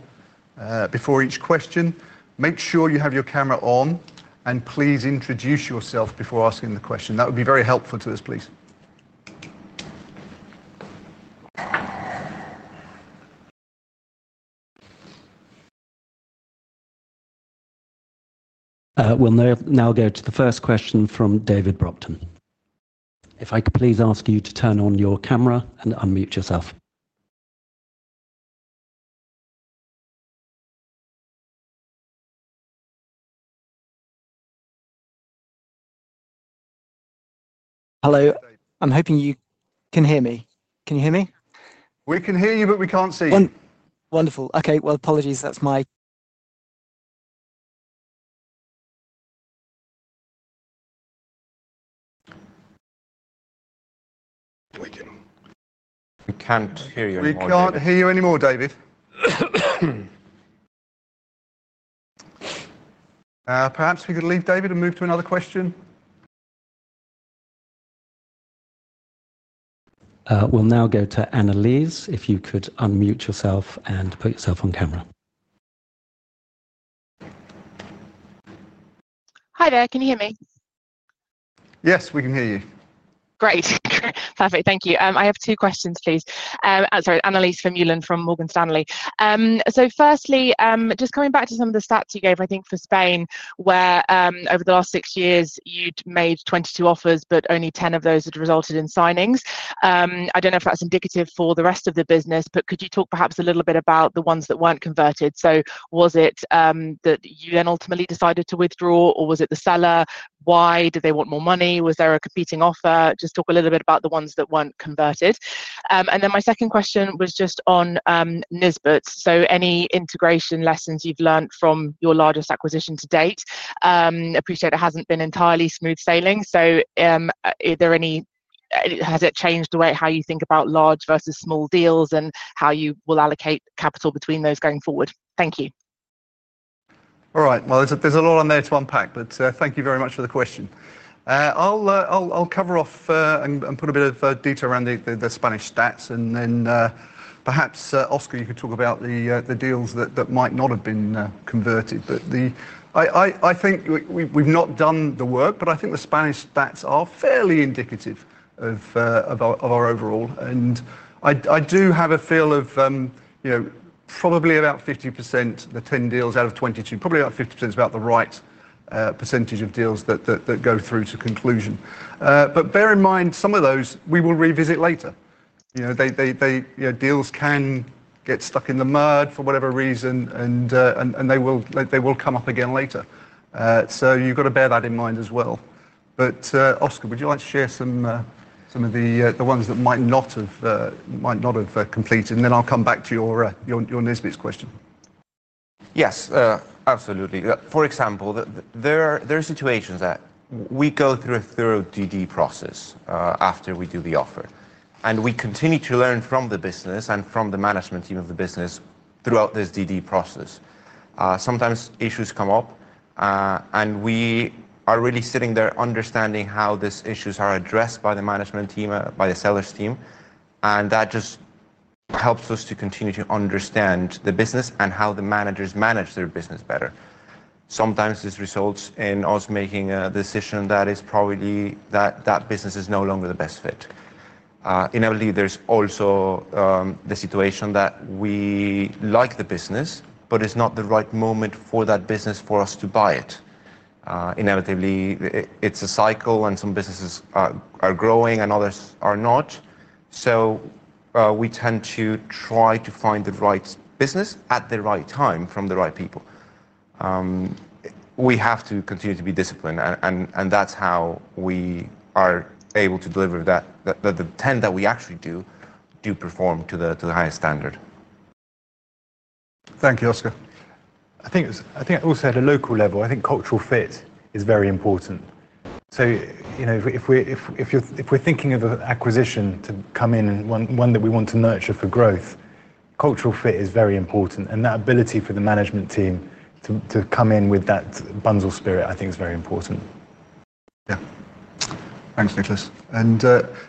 each question. Make sure you have your camera on, and please introduce yourself before asking the question. That would be very helpful to us, please. We'll now go to the first question from David Brockton. If I could please ask you to turn on your camera and unmute yourself. Hello. I'm hoping you can hear me. Can you hear me? We can hear you, but we can't see. Wonderful. Okay. Apologies. That's my. We can't hear you anymore. We can't hear you anymore, David. Perhaps we could leave, David, and move to another question. We'll now go to Annelies. If you could unmute yourself and put yourself on camera. Hi there. Can you hear me? Yes, we can hear you. Great. Perfect. Thank you. I have two questions, please. Sorry, Annelies Vermeulen from Morgan Stanley. Firstly, just coming back to some of the stats you gave, I think for Spain, where over the last six years, you'd made 22 offers, but only 10 of those had resulted in signings. I don't know if that's indicative for the rest of the business, but could you talk perhaps a little bit about the ones that weren't converted? Was it that you then ultimately decided to withdraw, or was it the seller? Why? Did they want more money? Was there a competing offer? Just talk a little bit about the ones that weren't converted. My second question was just on Nisbets. Any integration lessons you've learned from your largest acquisition to date? I appreciate it hasn't been entirely smooth sailing. Are there any, has it changed the way how you think about large versus small deals and how you will allocate capital between those going forward? Thank you. All right. There's a lot on there to unpack, but thank you very much for the question. I'll cover off and put a bit of detail around the Spanish stats, and then perhaps, Oscar, you could talk about the deals that might not have been converted. I think we've not done the work, but I think the Spanish stats are fairly indicative of our overall, and I do have a feel of probably about 50%, the 10 deals out of 22, probably about 50% is about the right percentage of deals that go through to conclusion. Bear in mind, some of those we will revisit later. Deals can get stuck in the mud for whatever reason, and they will come up again later. You've got to bear that in mind as well. Oscar, would you like to share some of the ones that might not have completed? I'll come back to your Nisbets question. Yes, absolutely. For example, there are situations that we go through a thorough DD process after we do the offer, and we continue to learn from the business and from the management team of the business throughout this DD process. Sometimes issues come up, and we are really sitting there understanding how these issues are addressed by the management team, by the seller's team, and that just helps us to continue to understand the business and how the managers manage their business better. Sometimes this results in us making a decision that is probably that that business is no longer the best fit. Inevitably, there's also the situation that we like the business, but it's not the right moment for that business for us to buy it. It is a cycle, and some businesses are growing and others are not. We tend to try to find the right business at the right time from the right people. We have to continue to be disciplined, and that's how we are able to deliver that the 10 that we actually do perform to the highest standard. Thank you, Oscar. I think also at a local level, I think cultural fit is very important. If we're thinking of an acquisition to come in and one that we want to nurture for growth, cultural fit is very important, and that ability for the management team to come in with that Bunzl spirit, I think, is very important. Yeah. Thanks, Nicholas.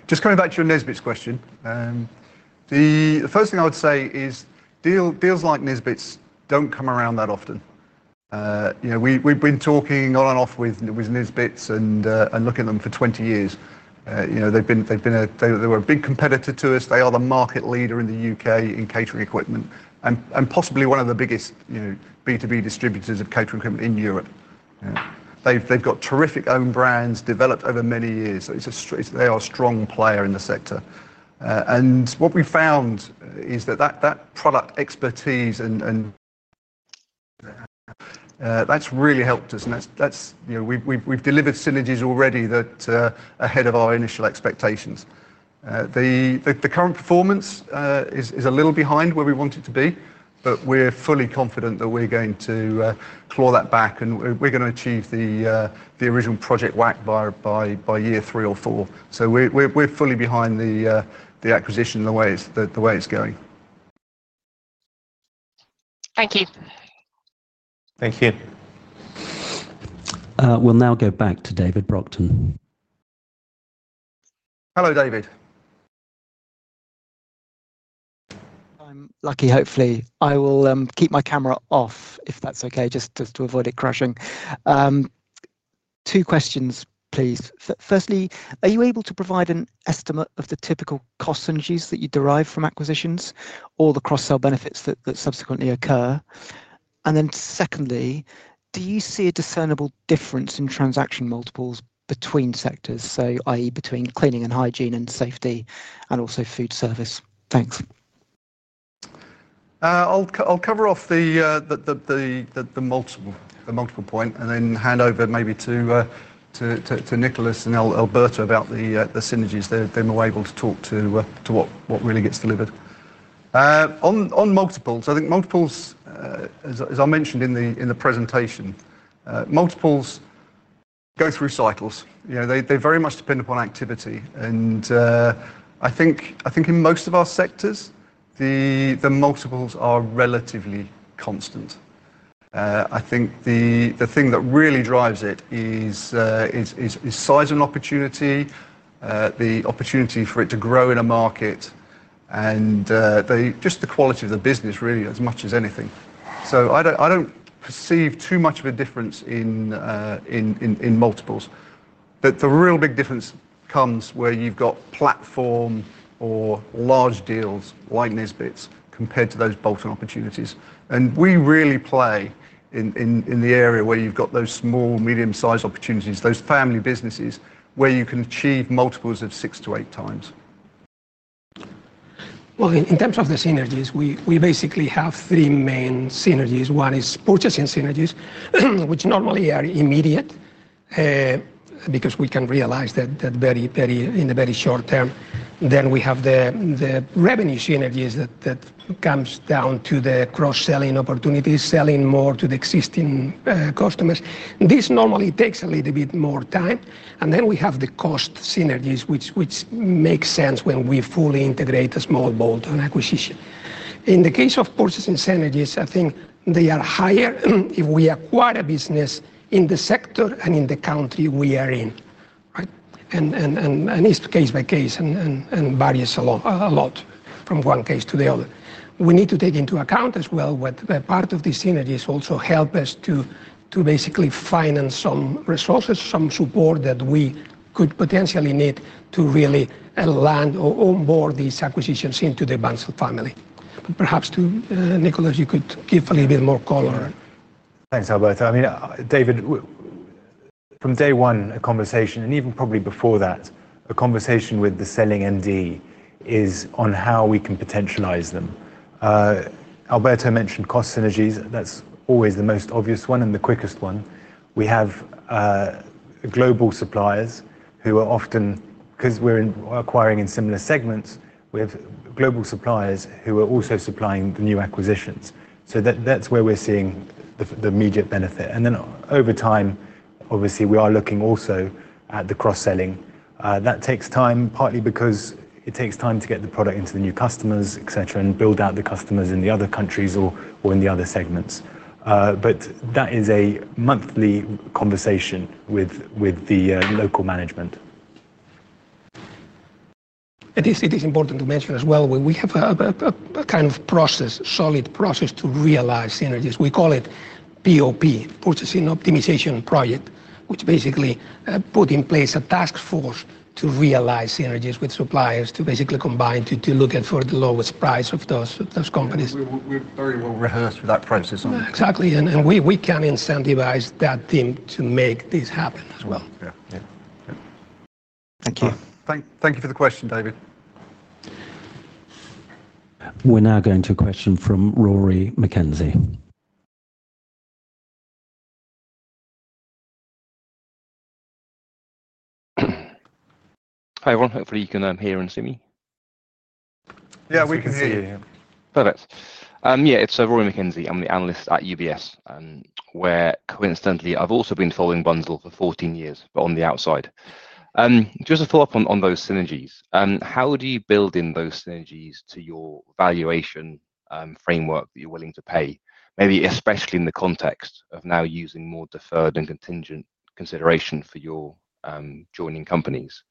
Just coming back to your Nisbets question, the first thing I would say is deals like Nisbets don't come around that often. We've been talking on and off with Nisbets and looking at them for 20 years. They were a big competitor to us. They are the market leader in the U.K. in catering equipment and possibly one of the biggest B2B distributors of catering equipment in Europe. They've got terrific own brands developed over many years. They are a strong player in the sector. What we found is that that product expertise has really helped us. We've delivered synergies already that are ahead of our initial expectations. The current performance is a little behind where we want it to be, but we're fully confident that we're going to claw that back, and we're going to achieve the original project WACC by year three or four. We're fully behind the acquisition the way it's going. Thank you. Thank you. We'll now go back to David Brockton. Hello, David. I'm lucky, hopefully. I will keep my camera off, if that's okay, just to avoid it crashing. Two questions, please. Firstly, are you able to provide an estimate of the typical costs and dues that you derive from acquisitions or the cross-sell benefits that subsequently occur? Secondly, do you see a discernible difference in transaction multiples between sectors, i.e. between cleaning and hygiene and safety and also food service? Thanks. I'll cover off the multiple point and then hand over maybe to Nicholas and Alberto about the synergies there. They're more able to talk to what really gets delivered. On multiples, I think multiples, as I mentioned in the presentation, go through cycles. They very much depend upon activity. In most of our sectors, the multiples are relatively constant. I think the thing that really drives it is size and opportunity, the opportunity for it to grow in a market, and just the quality of the business, really, as much as anything. I don't perceive too much of a difference in multiples. The real big difference comes where you've got platform or large deals like Nisbet’s compared to those bolt-on opportunities. We really play in the area where you've got those small, medium-sized opportunities, those family-owned businesses where you can achieve multiples of 6x-8x. In terms of the synergies, we basically have three main synergies. One is purchasing synergies, which normally are immediate because we can realize that in the very short term. We have the revenue synergies that come down to the cross-selling opportunities, selling more to the existing customers. This normally takes a little bit more time. We have the cost synergies, which make sense when we fully integrate a small bolt-on acquisition. In the case of purchasing synergies, I think they are higher if we acquire a business in the sector and in the country we are in. It's case by case and varies a lot from one case to the other. We need to take into account as well what part of the synergies also help us to basically finance some resources, some support that we could potentially need to really land or onboard these acquisitions into the Bunzl family. Perhaps, Nicholas, you could give a little bit more color. Thanks, Alberto. I mean, David, from day one, a conversation, and even probably before that, a conversation with the selling MD is on how we can potentialize them. Alberto mentioned cost synergies. That's always the most obvious one and the quickest one. We have global suppliers who are often, because we're acquiring in similar segments, we have global suppliers who are also supplying the new acquisitions. That's where we're seeing the immediate benefit. Over time, obviously, we are looking also at the cross-selling. That takes time, partly because it takes time to get the product into the new customers, et cetera, and build out the customers in the other countries or in the other segments. That is a monthly conversation with the local management. I think it is important to mention as well, we have a kind of process, a solid process to realize synergies. We call it POP, Purchasing Optimization Project, which basically puts in place a task force to realize synergies with suppliers to basically combine to look at for the lowest price of those companies. We're very well rehearsed for that process. Exactly. We can incentivize that team to make this happen as well. Thank you. Thank you for the question, David. We're now going to a question from Rory McKenzie. Hi everyone. Hopefully you can hear and see me. Yeah, we can hear you. Perfect. Yeah, it's Rory McKenzie. I'm the analyst at UBS, and where coincidentally, I've also been following Bunzl for 14 years, but on the outside. Just to follow up on those synergies, how do you build in those synergies to your valuation framework that you're willing to pay, maybe especially in the context of now using more deferred and contingent consideration for your joining companies?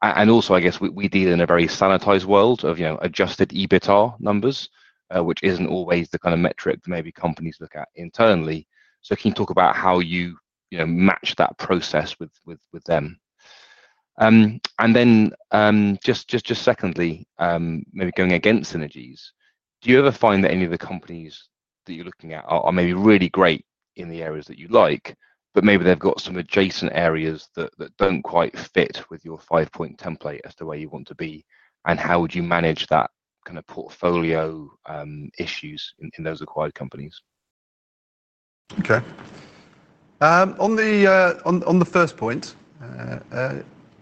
I guess we deal in a very sanitized world of adjusted EBITDA numbers, which isn't always the kind of metric that maybe companies look at internally. Can you talk about how you match that process with them? Secondly, maybe going against synergies, do you ever find that any of the companies that you're looking at are maybe really great in the areas that you like, but maybe they've got some adjacent areas that don't quite fit with your five-point template as to where you want to be, and how would you manage that kind of portfolio issues in those acquired companies? Okay. On the first point,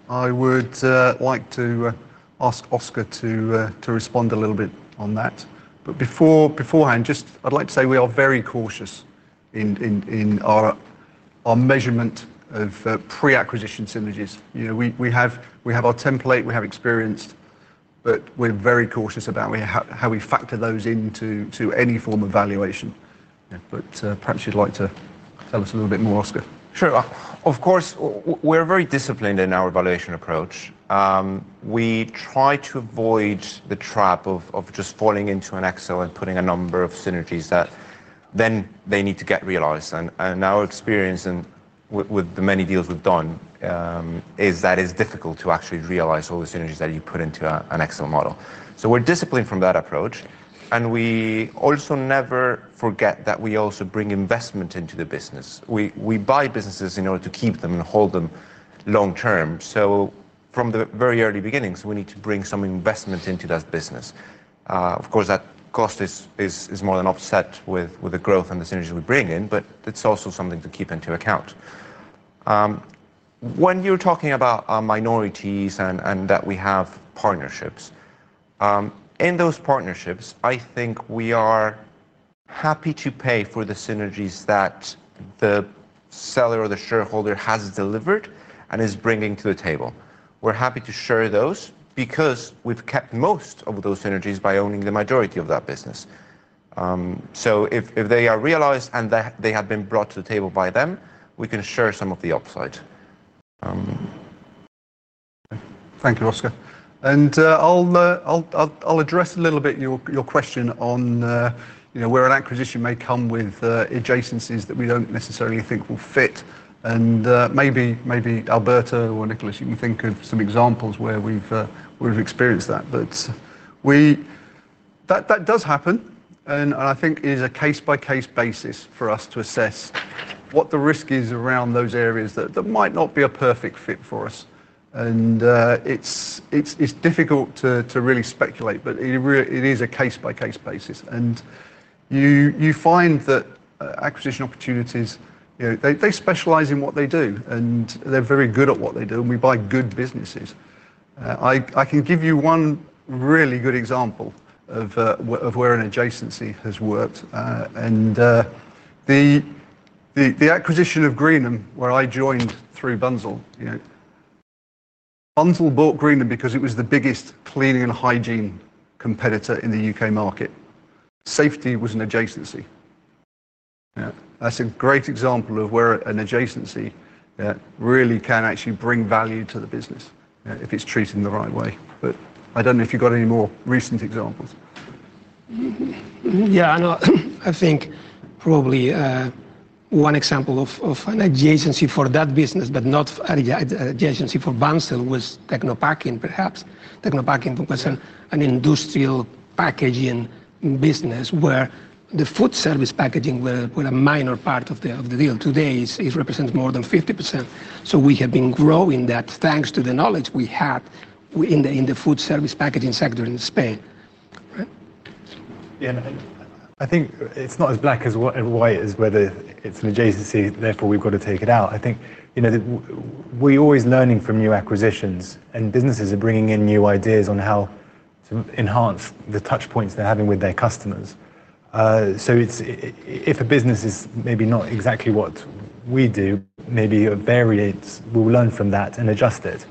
I would like to ask Oscar Gonzalez to respond a little bit on that. Beforehand, I would just like to say we are very cautious in our measurement of pre-acquisition synergies. We have our template, we have experience, but we're very cautious about how we factor those into any form of valuation. Perhaps you'd like to tell us a little bit more, Oscar. Sure. Of course, we're very disciplined in our evaluation approach. We try to avoid the trap of just falling into an Excel and putting a number of synergies that then they need to get realized. Our experience with the many deals we've done is that it's difficult to actually realize all the synergies that you put into an Excel model. We're disciplined from that approach. We also never forget that we also bring investment into the business. We buy businesses in order to keep them and hold them long term. From the very early beginnings, we need to bring some investment into that business. Of course, that cost is more than offset with the growth and the synergies we bring in, but it's also something to keep into account. When you're talking about our minorities and that we have partnerships, in those partnerships, I think we are happy to pay for the synergies that the seller or the shareholder has delivered and is bringing to the table. We're happy to share those because we've kept most of those synergies by owning the majority of that business. If they are realized and they have been brought to the table by them, we can share some of the upside. Thank you, Oscar. I'll address a little bit your question on where an acquisition may come with adjacencies that we don't necessarily think will fit. Maybe Alberto or Nicholas, you can think of some examples where we've experienced that. That does happen, and I think it is a case-by-case basis for us to assess what the risk is around those areas that might not be a perfect fit for us. It's difficult to really speculate, but it is a case-by-case basis. You find that acquisition opportunities specialize in what they do, and they're very good at what they do, and we buy good businesses. I can give you one really good example of where an adjacency has worked. The acquisition of Greenham, where I joined through Bunzl, Bunzl bought Greenham because it was the biggest cleaning and hygiene competitor in the UK market. Safety was an adjacency. That's a great example of where an adjacency really can actually bring value to the business if it's treated in the right way. I don't know if you've got any more recent examples. Yeah, I think probably one example of an adjacency for that business, but not an adjacency for Bunzl, was Techno Packing, perhaps. Techno Packing represents an industrial packaging business where the food service packaging was a minor part of the deal. Today, it represents more than 50%. We have been growing that thanks to the knowledge we had in the food service packaging sector in Spain. Yeah, I think it's not as black and white as whether it's an adjacency, therefore we've got to take it out. I think we're always learning from new acquisitions, and businesses are bringing in new ideas on how to enhance the touch points they're having with their customers. If a business is maybe not exactly what we do, maybe we'll learn from that and adjust it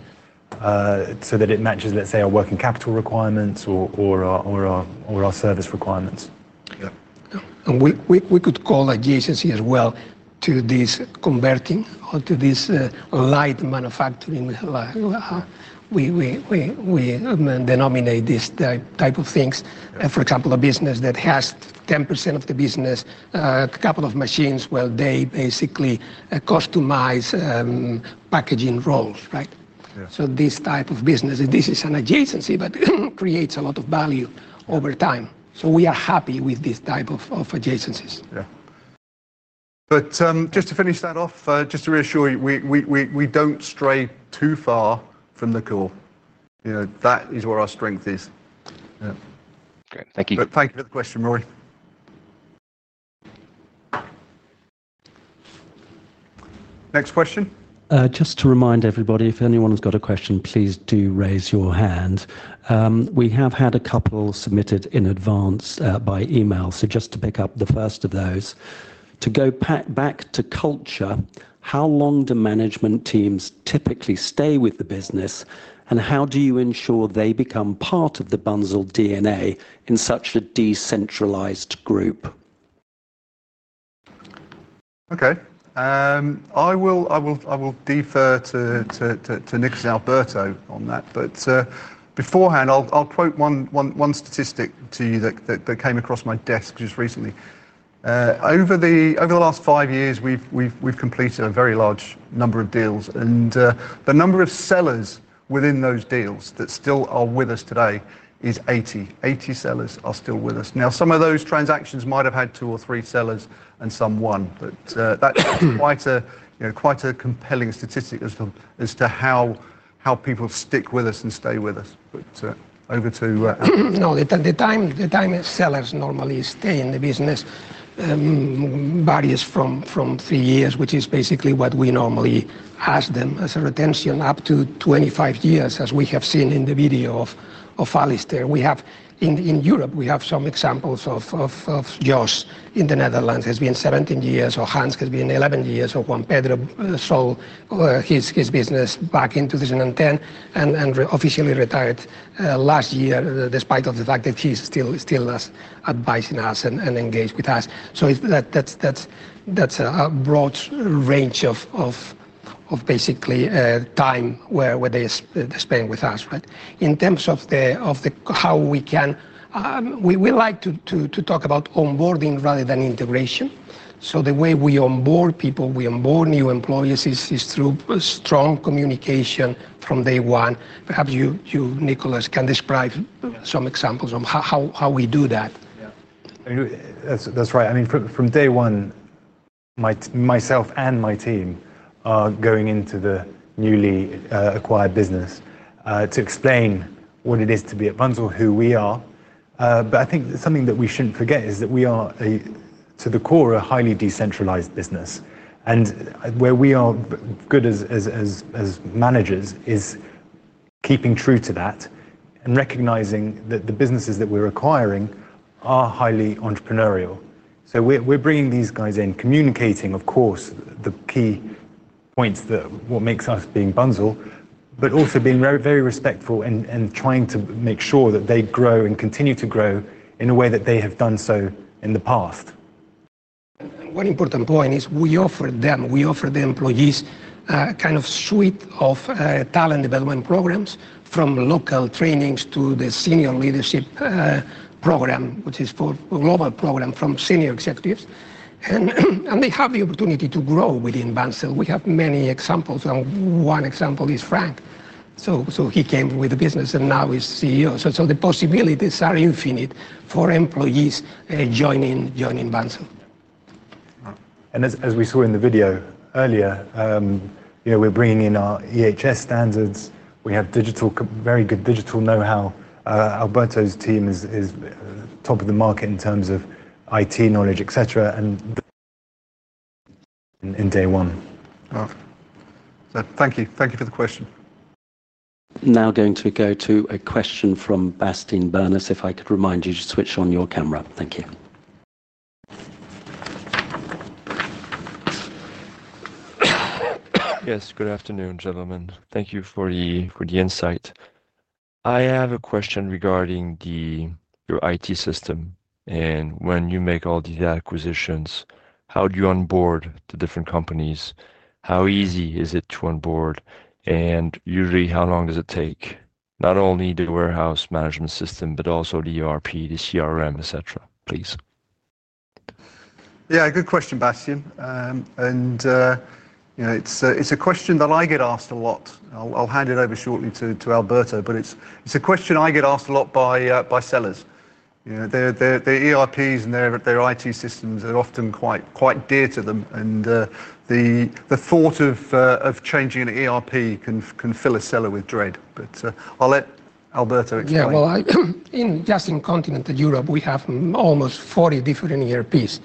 so that it matches, let's say, our working capital requirements or our service requirements. Yeah. We could call adjacency as well to this converting or to this light manufacturing. We denominate this type of things. For example, a business that has 10% of the business, a couple of machines, where they basically customize packaging rolls. This type of business is an adjacency, but it creates a lot of value over time. We are happy with this type of adjacencies. Yeah, just to finish that off, just to reassure you, we don't stray too far from the core. That is where our strength is. Yeah, great. Thank you. Thank you for the question, Rory. Next question? Just to remind everybody, if anyone's got a question, please do raise your hand. We have had a couple submitted in advance by email. To pick up the first of those, to go back to culture, how long do management teams typically stay with the business, and how do you ensure they become part of the Bunzl DNA in such a decentralized group? Okay. I will defer to Nicholas and Alberto on that. Beforehand, I'll quote one statistic to you that came across my desk just recently. Over the last five years, we've completed a very large number of deals, and the number of sellers within those deals that still are with us today is 80. Eighty sellers are still with us. Some of those transactions might have had two or three sellers and some one, but that's quite a compelling statistic as to how people stick with us and stay with us. Over to. No, the time sellers normally stay in the business varies from three years, which is basically what we normally have them as a retention, up to 25 years, as we have seen in the video of Alastair. We have in Europe some examples of Jos in the Netherlands; it's been 17 years, or Hans, it's been 11 years, or Juan Pedro sold his business back in 2010 and officially retired last year, despite the fact that he's still advising us and engaged with us. That's about it. A range of basically time where they spend with us. In terms of how we can, we like to talk about onboarding rather than integration. The way we onboard people, we onboard new employees is through strong communication from day one. Perhaps you, Nicholas, can describe some examples of how we do that. Yeah. I mean, that's right. I mean, from day one, myself and my team are going into the newly acquired business to explain what it is to be at Bunzl, who we are. I think something that we shouldn't forget is that we are, to the core, a highly decentralized business. Where we are good as managers is keeping true to that and recognizing that the businesses that we're acquiring are highly entrepreneurial. We're bringing these guys in, communicating, of course, the key points that make us Bunzl, but also being very, very respectful and trying to make sure that they grow and continue to grow in a way that they have done so in the past. One important point is we offer them, we offer the employees a kind of suite of talent development programs, from local trainings to the Senior Leadership Program, which is a global program for senior executives. They have the opportunity to grow within Bunzl. We have many examples, and one example is Frank. He came with the business and now is CEO. The possibilities are infinite for employees joining Bunzl. As we saw in the video earlier, you know, we're bringing in our EHS standards. We have very good digital know-how. Alberto's team is top of the market in terms of IT knowledge, et cetera, and in day one. Wow. Thank you. Thank you for the question. Now going to go to a question from Bastien Bernard. If I could remind you to switch on your camera. Thank you. Yes, good afternoon, gentlemen. Thank you for the insight. I have a question regarding your IT systems. When you make all these acquisitions, how do you onboard the different companies? How easy is it to onboard, and usually, how long does it take? Not only the warehouse management system, but also the ERP, the CRM, et cetera, please. Yeah, good question, Bastian. You know, it's a question that I get asked a lot. I'll hand it over shortly to Alberto, but it's a question I get asked a lot by sellers. You know, their ERPs and their IT systems are often quite dear to them. The thought of changing an ERP can fill a seller with dread. I'll let Alberto explain. In continental Europe, we have almost 40 different ERPs.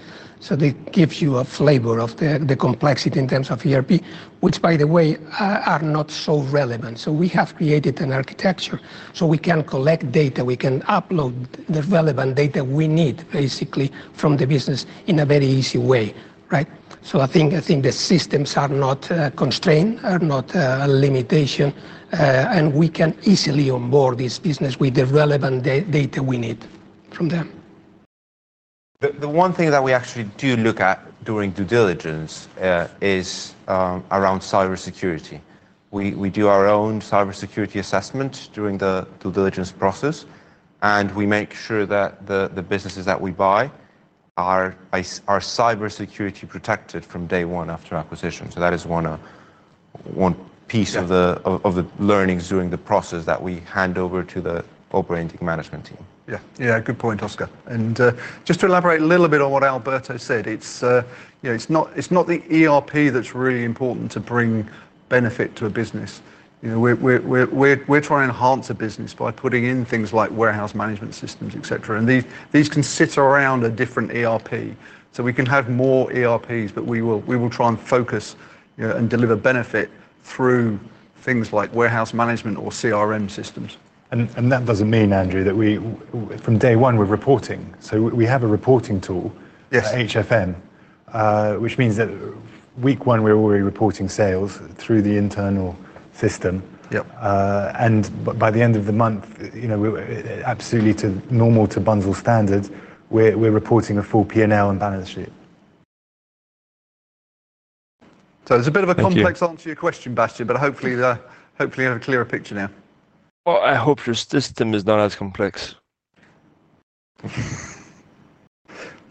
That gives you a flavor of the complexity in terms of ERP, which, by the way, are not so relevant. We have created an architecture so we can collect data, we can upload the relevant data we need, basically, from the business in a very easy way. I think the systems are not constrained, are not a limitation, and we can easily onboard this business with the relevant data we need from them. The one thing that we actually do look at during due diligence is around cybersecurity. We do our own cybersecurity assessment during the due diligence process, and we make sure that the businesses that we buy are cybersecurity protected from day one after acquisition. That is one piece of the learnings during the process that we hand over to the operating management team. Yeah. Good point, Oscar. Just to elaborate a little bit on what Alberto said, it's not the ERP that's really important to bring benefit to a business. We're trying to enhance a business by putting in things like warehouse management systems, et cetera. These can sit around a different ERP. We can have more ERPs, but we will try and focus and deliver benefit through things like warehouse management or CRM systems. That doesn't mean, Andrew, that we, from day one, we're reporting. We have a reporting tool, HFN, which means that week one, we're already reporting sales through the internal system. Yep. By the end of the month, absolutely to normal to Bunzl standards, we're reporting a full P&L and balance sheet. It's a bit of a complex answer to your question, Bastian, but hopefully you have a clearer picture now. I hope your system is not as complex.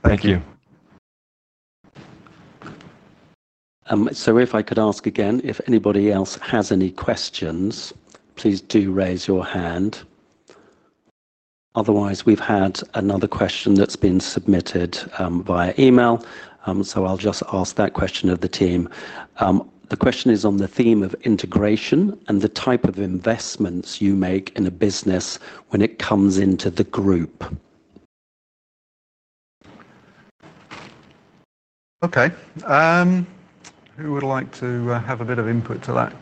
Thank you. If anybody else has any questions, please do raise your hand. Otherwise, we've had another question that's been submitted via email. I'll just ask that question of the team. The question is on the theme of integration and the type of investments you make in a business when it comes into the group. Okay, who would like to have a bit of input to that?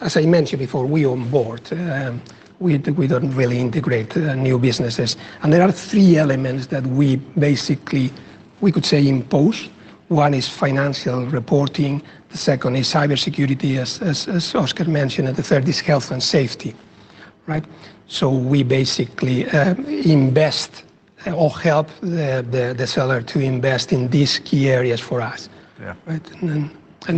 As I mentioned before, we onboard. We don't really integrate new businesses. There are three elements that we basically, we could say, impose. One is financial reporting. The second is cybersecurity, as Oscar mentioned. The third is health and safety, right? We basically invest or help the seller to invest in these key areas for us. Yeah. Right.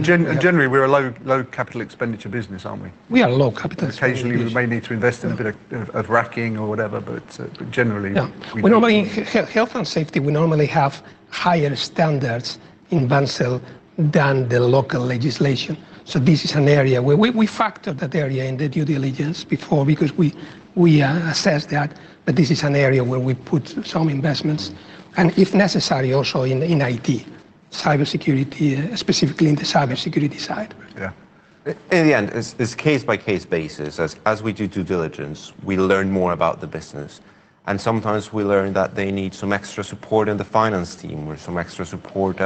Generally, we're a low, low capital expenditure business, aren't we? We are a low capitalization. Occasionally, we may need to invest in a bit of racking or whatever, but generally. Yeah. We normally, health and safety, we normally have higher standards in Bunzl than the local legislation. This is an area where we factor that area in the due diligence before because we assess that. This is an area where we put some investments, and if necessary, also in IT, cybersecurity, specifically in the cybersecurity side. Yeah. In the end, it's case-by-case basis. As we do due diligence, we learn more about the business. Sometimes we learn that they need some extra support in the finance team or some extra support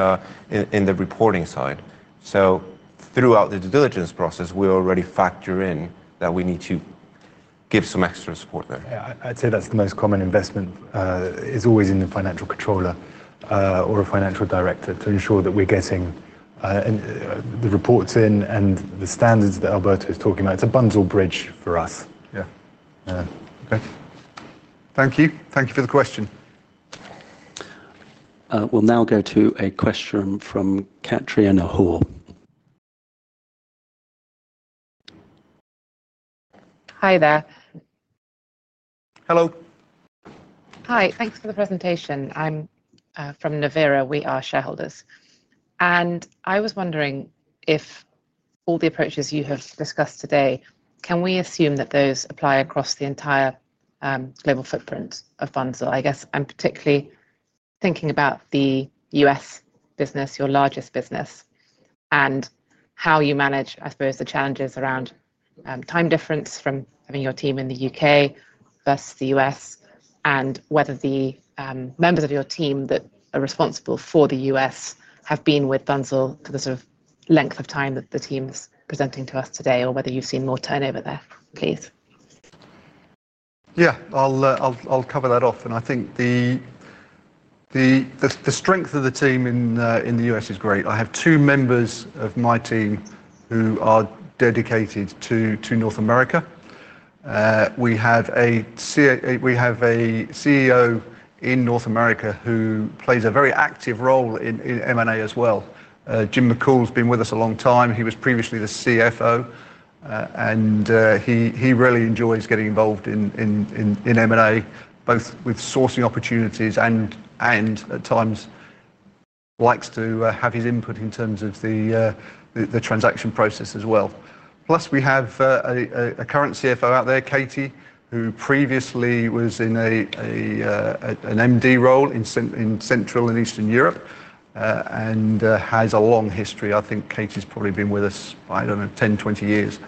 in the reporting side. Throughout the due diligence process, we already factor in that we need to give some extra support there. I'd say that's the most common investment, is always in the Financial Controller or a Financial Director to ensure that we're getting the reports in and the standards that Alberto is talking about. It's a bundle bridge for us. Okay. Thank you. Thank you for the question. We'll now go to a question from [Katriana Hall]. Hi there. Hello. Hi, thanks for the presentation. I'm from Navera. We are shareholders. I was wondering if all the approaches you have discussed today, can we assume that those apply across the entire global footprint of Bunzl? I guess I'm particularly thinking about the U.S. business, your largest business, and how you manage the challenges around time difference from having your team in the U.K. versus the U.S., and whether the members of your team that are responsible for the U.S. have been with Bunzl for the sort of length of time that the team is presenting to us today, or whether you've seen more turnover there, please. Yeah, I'll cover that off. I think the strength of the team in the U.S. is great. I have two members of my team who are dedicated to North America. We have a CEO in North America who plays a very active role in M&A as well. Jim McCool's been with us a long time. He was previously the CFO, and he really enjoys getting involved in M&A, both with sourcing opportunities and at times likes to have his input in terms of the transaction process as well. Plus, we have a current CFO out there, Katie, who previously was in an MD role in Central and Eastern Europe and has a long history. I think Katie's probably been with us, I don't know, 10, 20 years.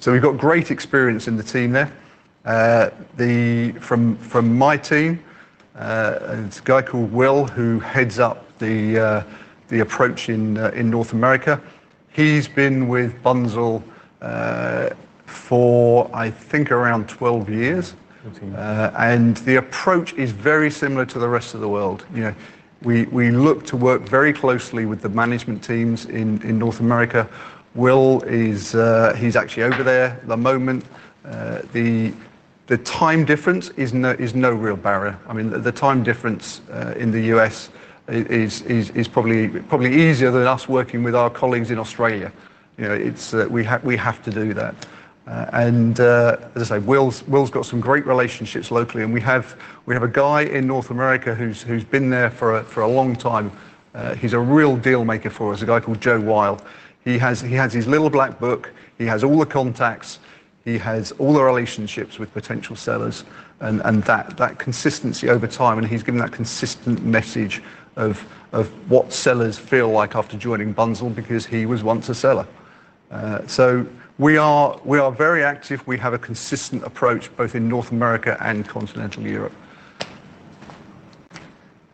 So we've got great experience in the team there. From my team, it's a guy called Will who heads up the approach in North America. He's been with Bunzl for, I think, around 12 years, and the approach is very similar to the rest of the world. You know, we look to work very closely with the management teams in North America. Will is actually over there at the moment. The time difference is no real barrier. I mean, the time difference in the U.S. is probably easier than us working with our colleagues in Australia. We have to do that. Will's got some great relationships locally. We have a guy in North America who's been there for a long time. He's a real dealmaker for us, a guy called Joe Wilde. He has his little black book. He has all the contacts. He has all the relationships with potential sellers, and that consistency over time, and he's given that consistent message of what sellers feel like after joining Bunzl because he was once a seller. We are very active. We have a consistent approach both in North America and Continental Europe.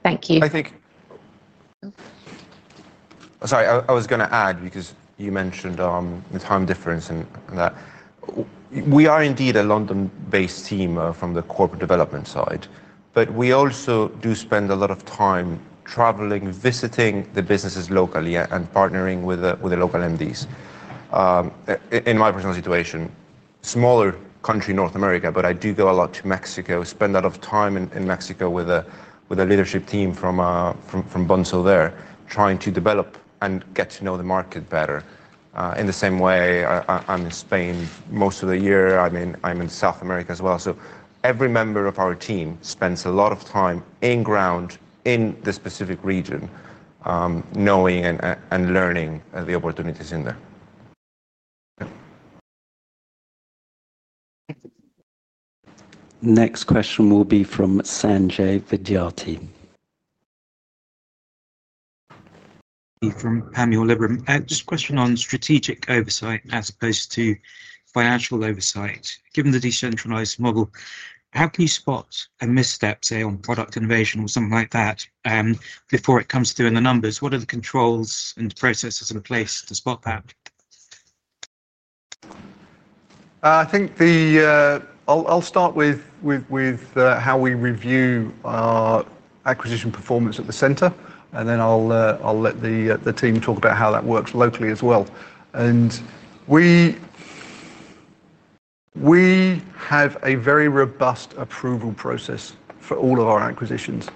Thank you. I think, sorry, I was going to add because you mentioned the time difference and that we are indeed a London-based team from the corporate development side, but we also do spend a lot of time traveling, visiting the businesses locally, and partnering with the local MDs. In my personal situation, smaller country, North America, but I do go a lot to Mexico, spend a lot of time in Mexico with a leadership team from Bunzl there, trying to develop and get to know the market better. In the same way, I'm in Spain most of the year. I mean, I'm in South America as well. Every member of our team spends a lot of time on ground in the specific region, knowing and learning the opportunities in there. Next question will be from Sanjay Vidyarthi. From Panmure Liberum. Just a question on strategic oversight as opposed to financial oversight. Given the decentralized model, how can you spot a misstep, say, on product innovation or something like that before it comes to doing the numbers? What are the controls and processes in place to spot that? I think I'll start with how we review our acquisition performance at the center. Then I'll let the team talk about how that works locally as well. We have a very robust approval process for all of our acquisitions.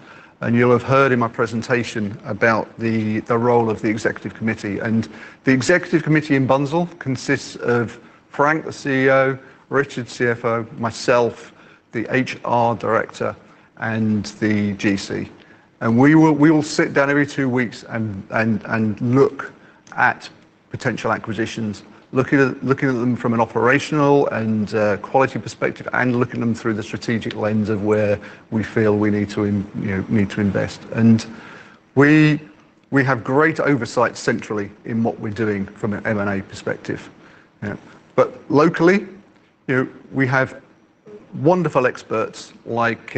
You'll have heard in my presentation about the role of the Executive Committee. The Executive Committee in Bunzl consists of Frank, the CEO, Richard, CFO, myself, the HR Director, and the GC. We will sit down every two weeks and look at potential acquisitions, looking at them from an operational and quality perspective, and looking at them through the strategic lens of where we feel we need to invest. We have great oversight centrally in what we're doing from an M&A perspective. Locally, we have wonderful experts like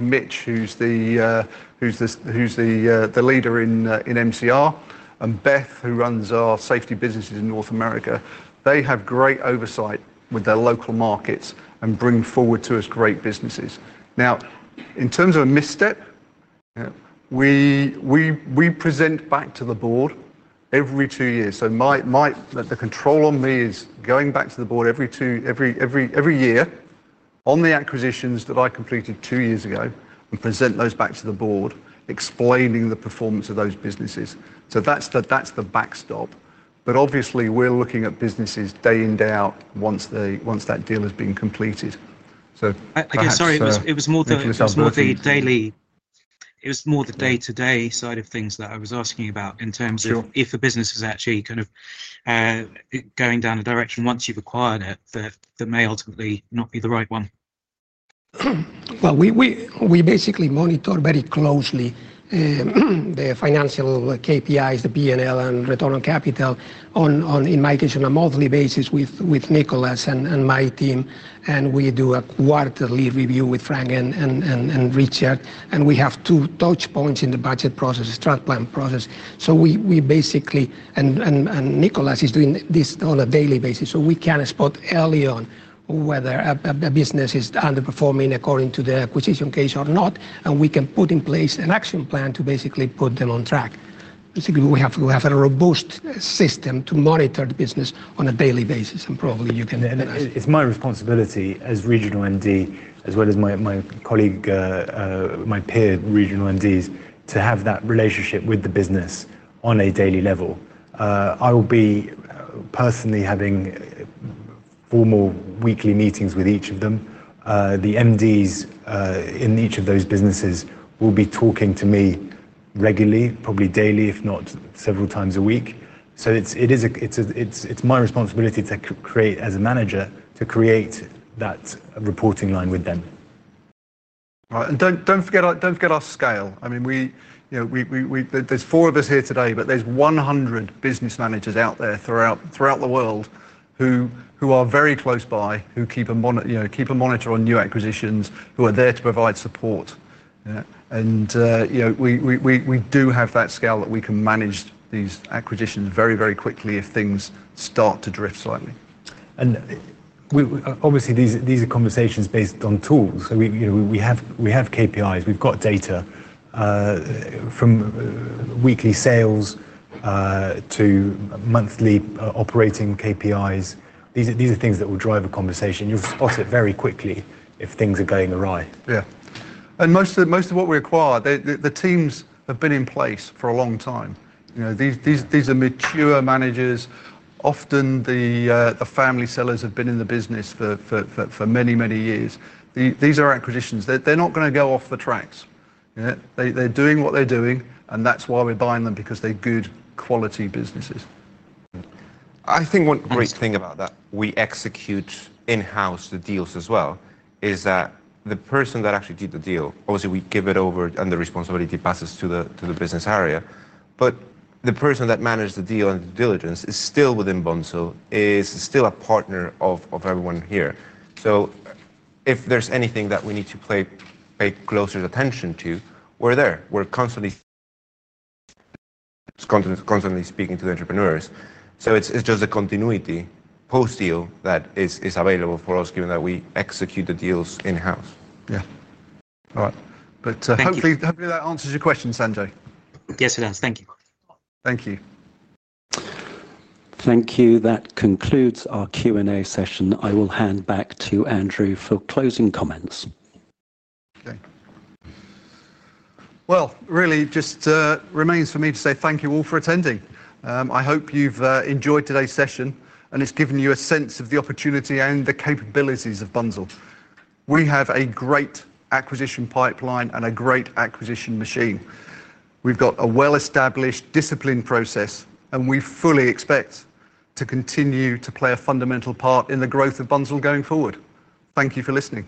Mitch, who's the leader in MCR, and Beth, who runs our safety businesses in North America. They have great oversight with their local markets and bring forward to us great businesses. In terms of a misstep, we present back to the board every two years. My control is going back to the board every year on the acquisitions that I completed two years ago and present those back to the board, explaining the performance of those businesses. That's the backstop. Obviously, we're looking at businesses day in, day out once that deal has been completed. It was more the day-to-day side of things that I was asking about in terms of if a business is actually kind of going down a direction once you've acquired it that may ultimately not be the right one. We basically monitor very closely the financial KPIs, the P&L, and return on capital, in my case, on a monthly basis with Nicholas and my team. We do a quarterly review with Frank and Richard. We have two touchpoints in the budget process, the strat plan process. We basically, and Nicholas is doing this on a daily basis, can spot early on whether a business is underperforming according to the acquisition case or not. We can put in place an action plan to basically put them on track. We have a robust system to monitor the business on a daily basis. Probably you can end it. It's my responsibility as Regional MD, as well as my colleague, my peer Regional MDs, to have that relationship with the business on a daily level. I will be personally having formal weekly meetings with each of them. The MDs in each of those businesses will be talking to me regularly, probably daily, if not several times a week. It's my responsibility to create, as a manager, that reporting line with them. Right. Don't forget our scale. I mean, we, you know, there's four of us here today, but there's 100 business managers out there throughout the world who are very close by, who keep a monitor on new acquisitions, who are there to provide support. Yeah. We do have that scale that we can manage these acquisitions very quickly if things start to drift slightly. Obviously, these are conversations based on tools. We have KPIs. We've got data from weekly sales to monthly operating KPIs. These are things that will drive a conversation. You'll spot it very quickly if things are going awry. Yeah. Most of what we acquire, the teams have been in place for a long time. These are mature managers. Often, the family sellers have been in the business for many, many years. These are acquisitions. They're not going to go off the tracks. Yeah. They're doing what they're doing, and that's why we're buying them because they're good quality businesses. Mm-hmm. I think one great thing about that we execute in-house the deals as well is that the person that actually did the deal, obviously, we give it over and the responsibility passes to the business area, but the person that managed the deal and the due diligence is still within Bunzl, is still a partner of everyone here. If there's anything that we need to pay closer attention to, we're there. We're constantly, constantly, constantly speaking to the entrepreneurs. It's just a continuity post-deal that is available for us given that we execute the deals in-house. Yeah. All right. Hopefully that answers your question, Sanjay. Yes, it has. Thank you. Thank you. Thank you. That concludes our Q&A session. I will hand back to Andrew for closing comments. Okay. It really just remains for me to say thank you all for attending. I hope you've enjoyed today's session and it's given you a sense of the opportunity and the capabilities of Bunzl. We have a great acquisition pipeline and a great acquisition machine. We've got a well-established discipline process, and we fully expect to continue to play a fundamental part in the growth of Bunzl going forward. Thank you for listening.